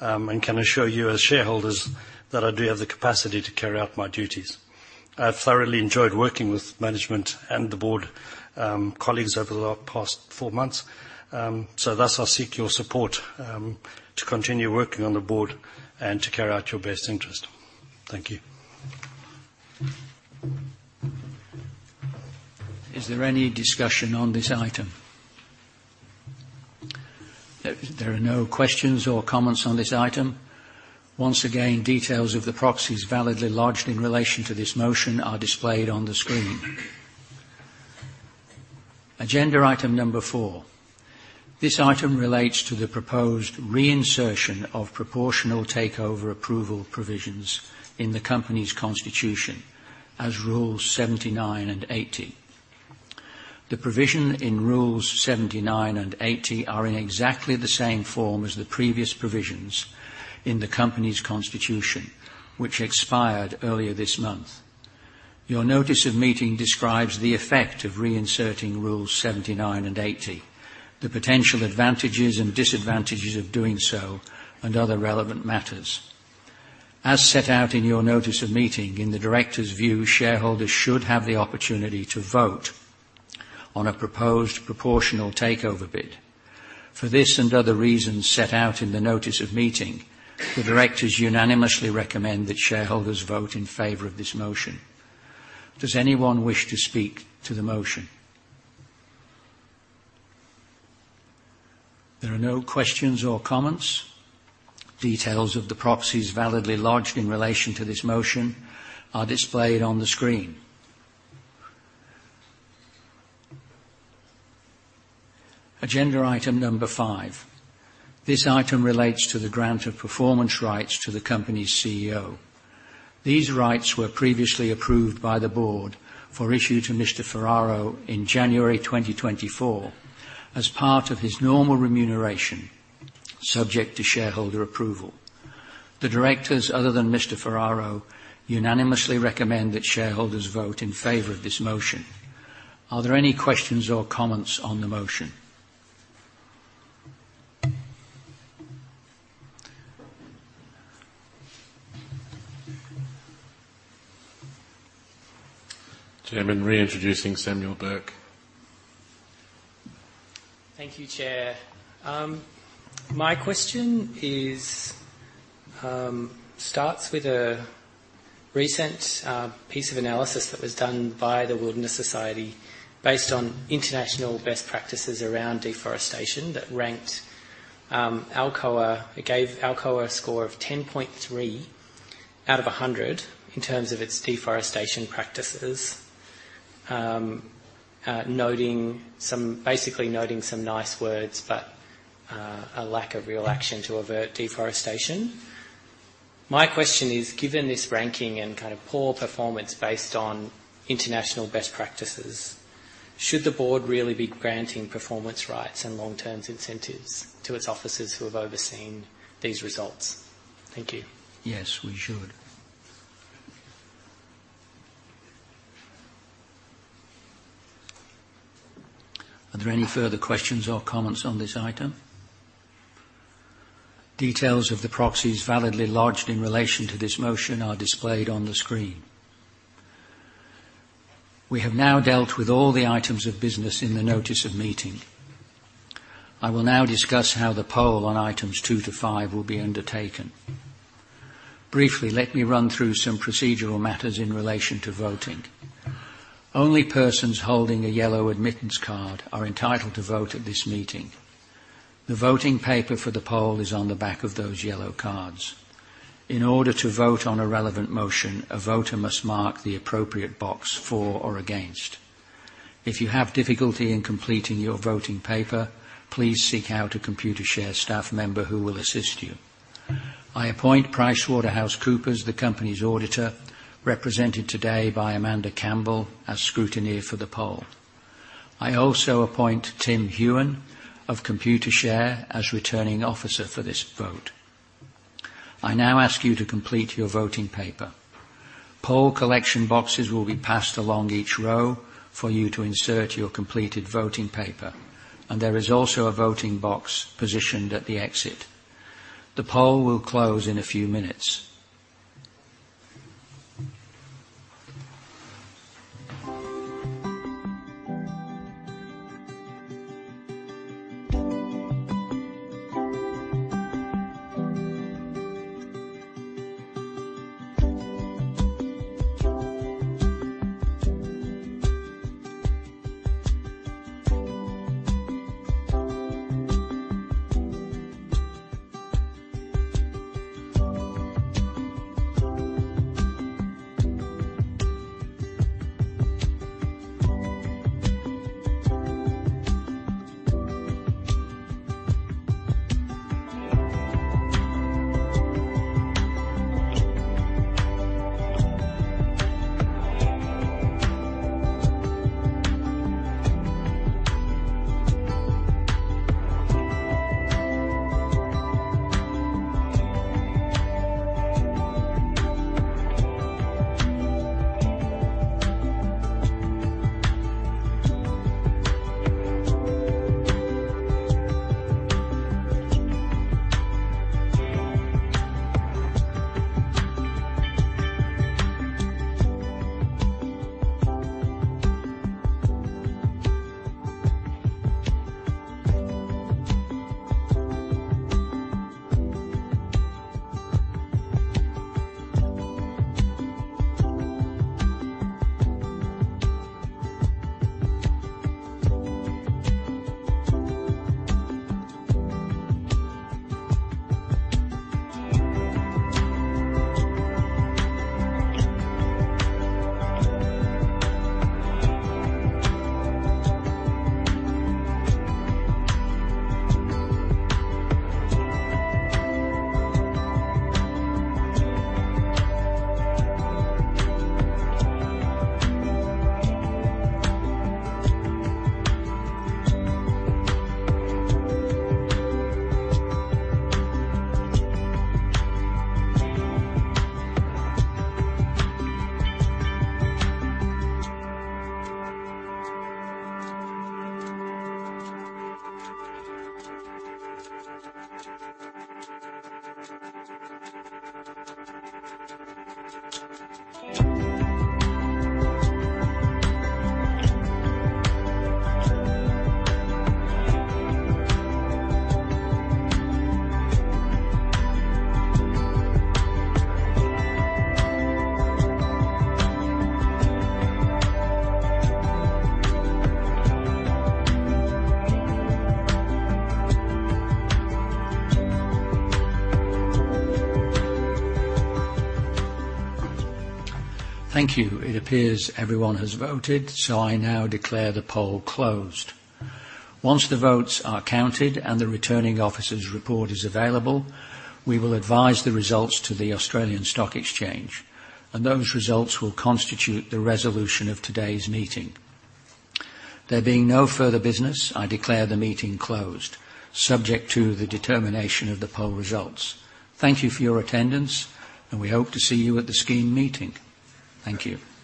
and can assure you as shareholders that I do have the capacity to carry out my duties. I've thoroughly enjoyed working with management and the board, colleagues over the last past four months. So thus, I seek your support to continue working on the board and to carry out your best interest. Thank you. Is there any discussion on this item? There are no questions or comments on this item. Once again, details of the proxies validly lodged in relation to this motion are displayed on the screen. Agenda item number four: This item relates to the proposed reinsertion of proportional takeover approval provisions in the company's constitution as Rules 79 and 80. The provision in Rules 79 and 80 are in exactly the same form as the previous provisions in the company's constitution, which expired earlier this month. Your notice of meeting describes the effect of reinserting Rules 79 and 80, the potential advantages and disadvantages of doing so, and other relevant matters. As set out in your notice of meeting, in the directors' view, shareholders should have the opportunity to vote on a proposed proportional takeover bid. For this and other reasons set out in the notice of meeting, the directors unanimously recommend that shareholders vote in favor of this motion. Does anyone wish to speak to the motion? There are no questions or comments. Details of the proxies validly lodged in relation to this motion are displayed on the screen. Agenda item number five: This item relates to the grant of performance rights to the company's CEO. These rights were previously approved by the board for issue to Mr. Ferraro in January 2024, as part of his normal remuneration, subject to shareholder approval. The directors, other than Mr. Ferraro, unanimously recommend that shareholders vote in favor of this motion. Are there any questions or comments on the motion? Chairman, reintroducing Samuel Burke. Thank you, Chair. My question is, starts with a recent piece of analysis that was done by the Wilderness Society, based on international best practices around deforestation, that ranked Alcoa. It gave Alcoa a score of 10.3 out of 100 in terms of its deforestation practices, basically noting some nice words, but a lack of real action to avert deforestation. My question is, given this ranking and kind of poor performance based on international best practices, should the board really be granting performance rights and long-term incentives to its officers who have overseen these results? Thank you. Yes, we should. Are there any further questions or comments on this item? Details of the proxies validly lodged in relation to this motion are displayed on the screen. We have now dealt with all the items of business in the notice of meeting. I will now discuss how the poll on items two to five will be undertaken. Briefly, let me run through some procedural matters in relation to voting. Only persons holding a yellow admittance card are entitled to vote at this meeting. The voting paper for the poll is on the back of those yellow cards. In order to vote on a relevant motion, a voter must mark the appropriate box for or against. If you have difficulty in completing your voting paper, please seek out a Computershare staff member who will assist you. I appoint PricewaterhouseCoopers, the company's auditor, represented today by Amanda Campbell, as scrutineer for the poll. I also appoint Tim Hughan of Computershare as Returning Officer for this vote. I now ask you to complete your voting paper. Poll collection boxes will be passed along each row for you to insert your completed voting paper, and there is also a voting box positioned at the exit. The poll will close in a few minutes. Thank you. It appears everyone has voted, so I now declare the poll closed. Once the votes are counted and the Returning Officer's report is available, we will advise the results to the Australian Securities Exchange, and those results will constitute the resolution of today's meeting. There being no further business, I declare the meeting closed, subject to the determination of the poll results. Thank you for your attendance, and we hope to see you at the scheme meeting. Thank you.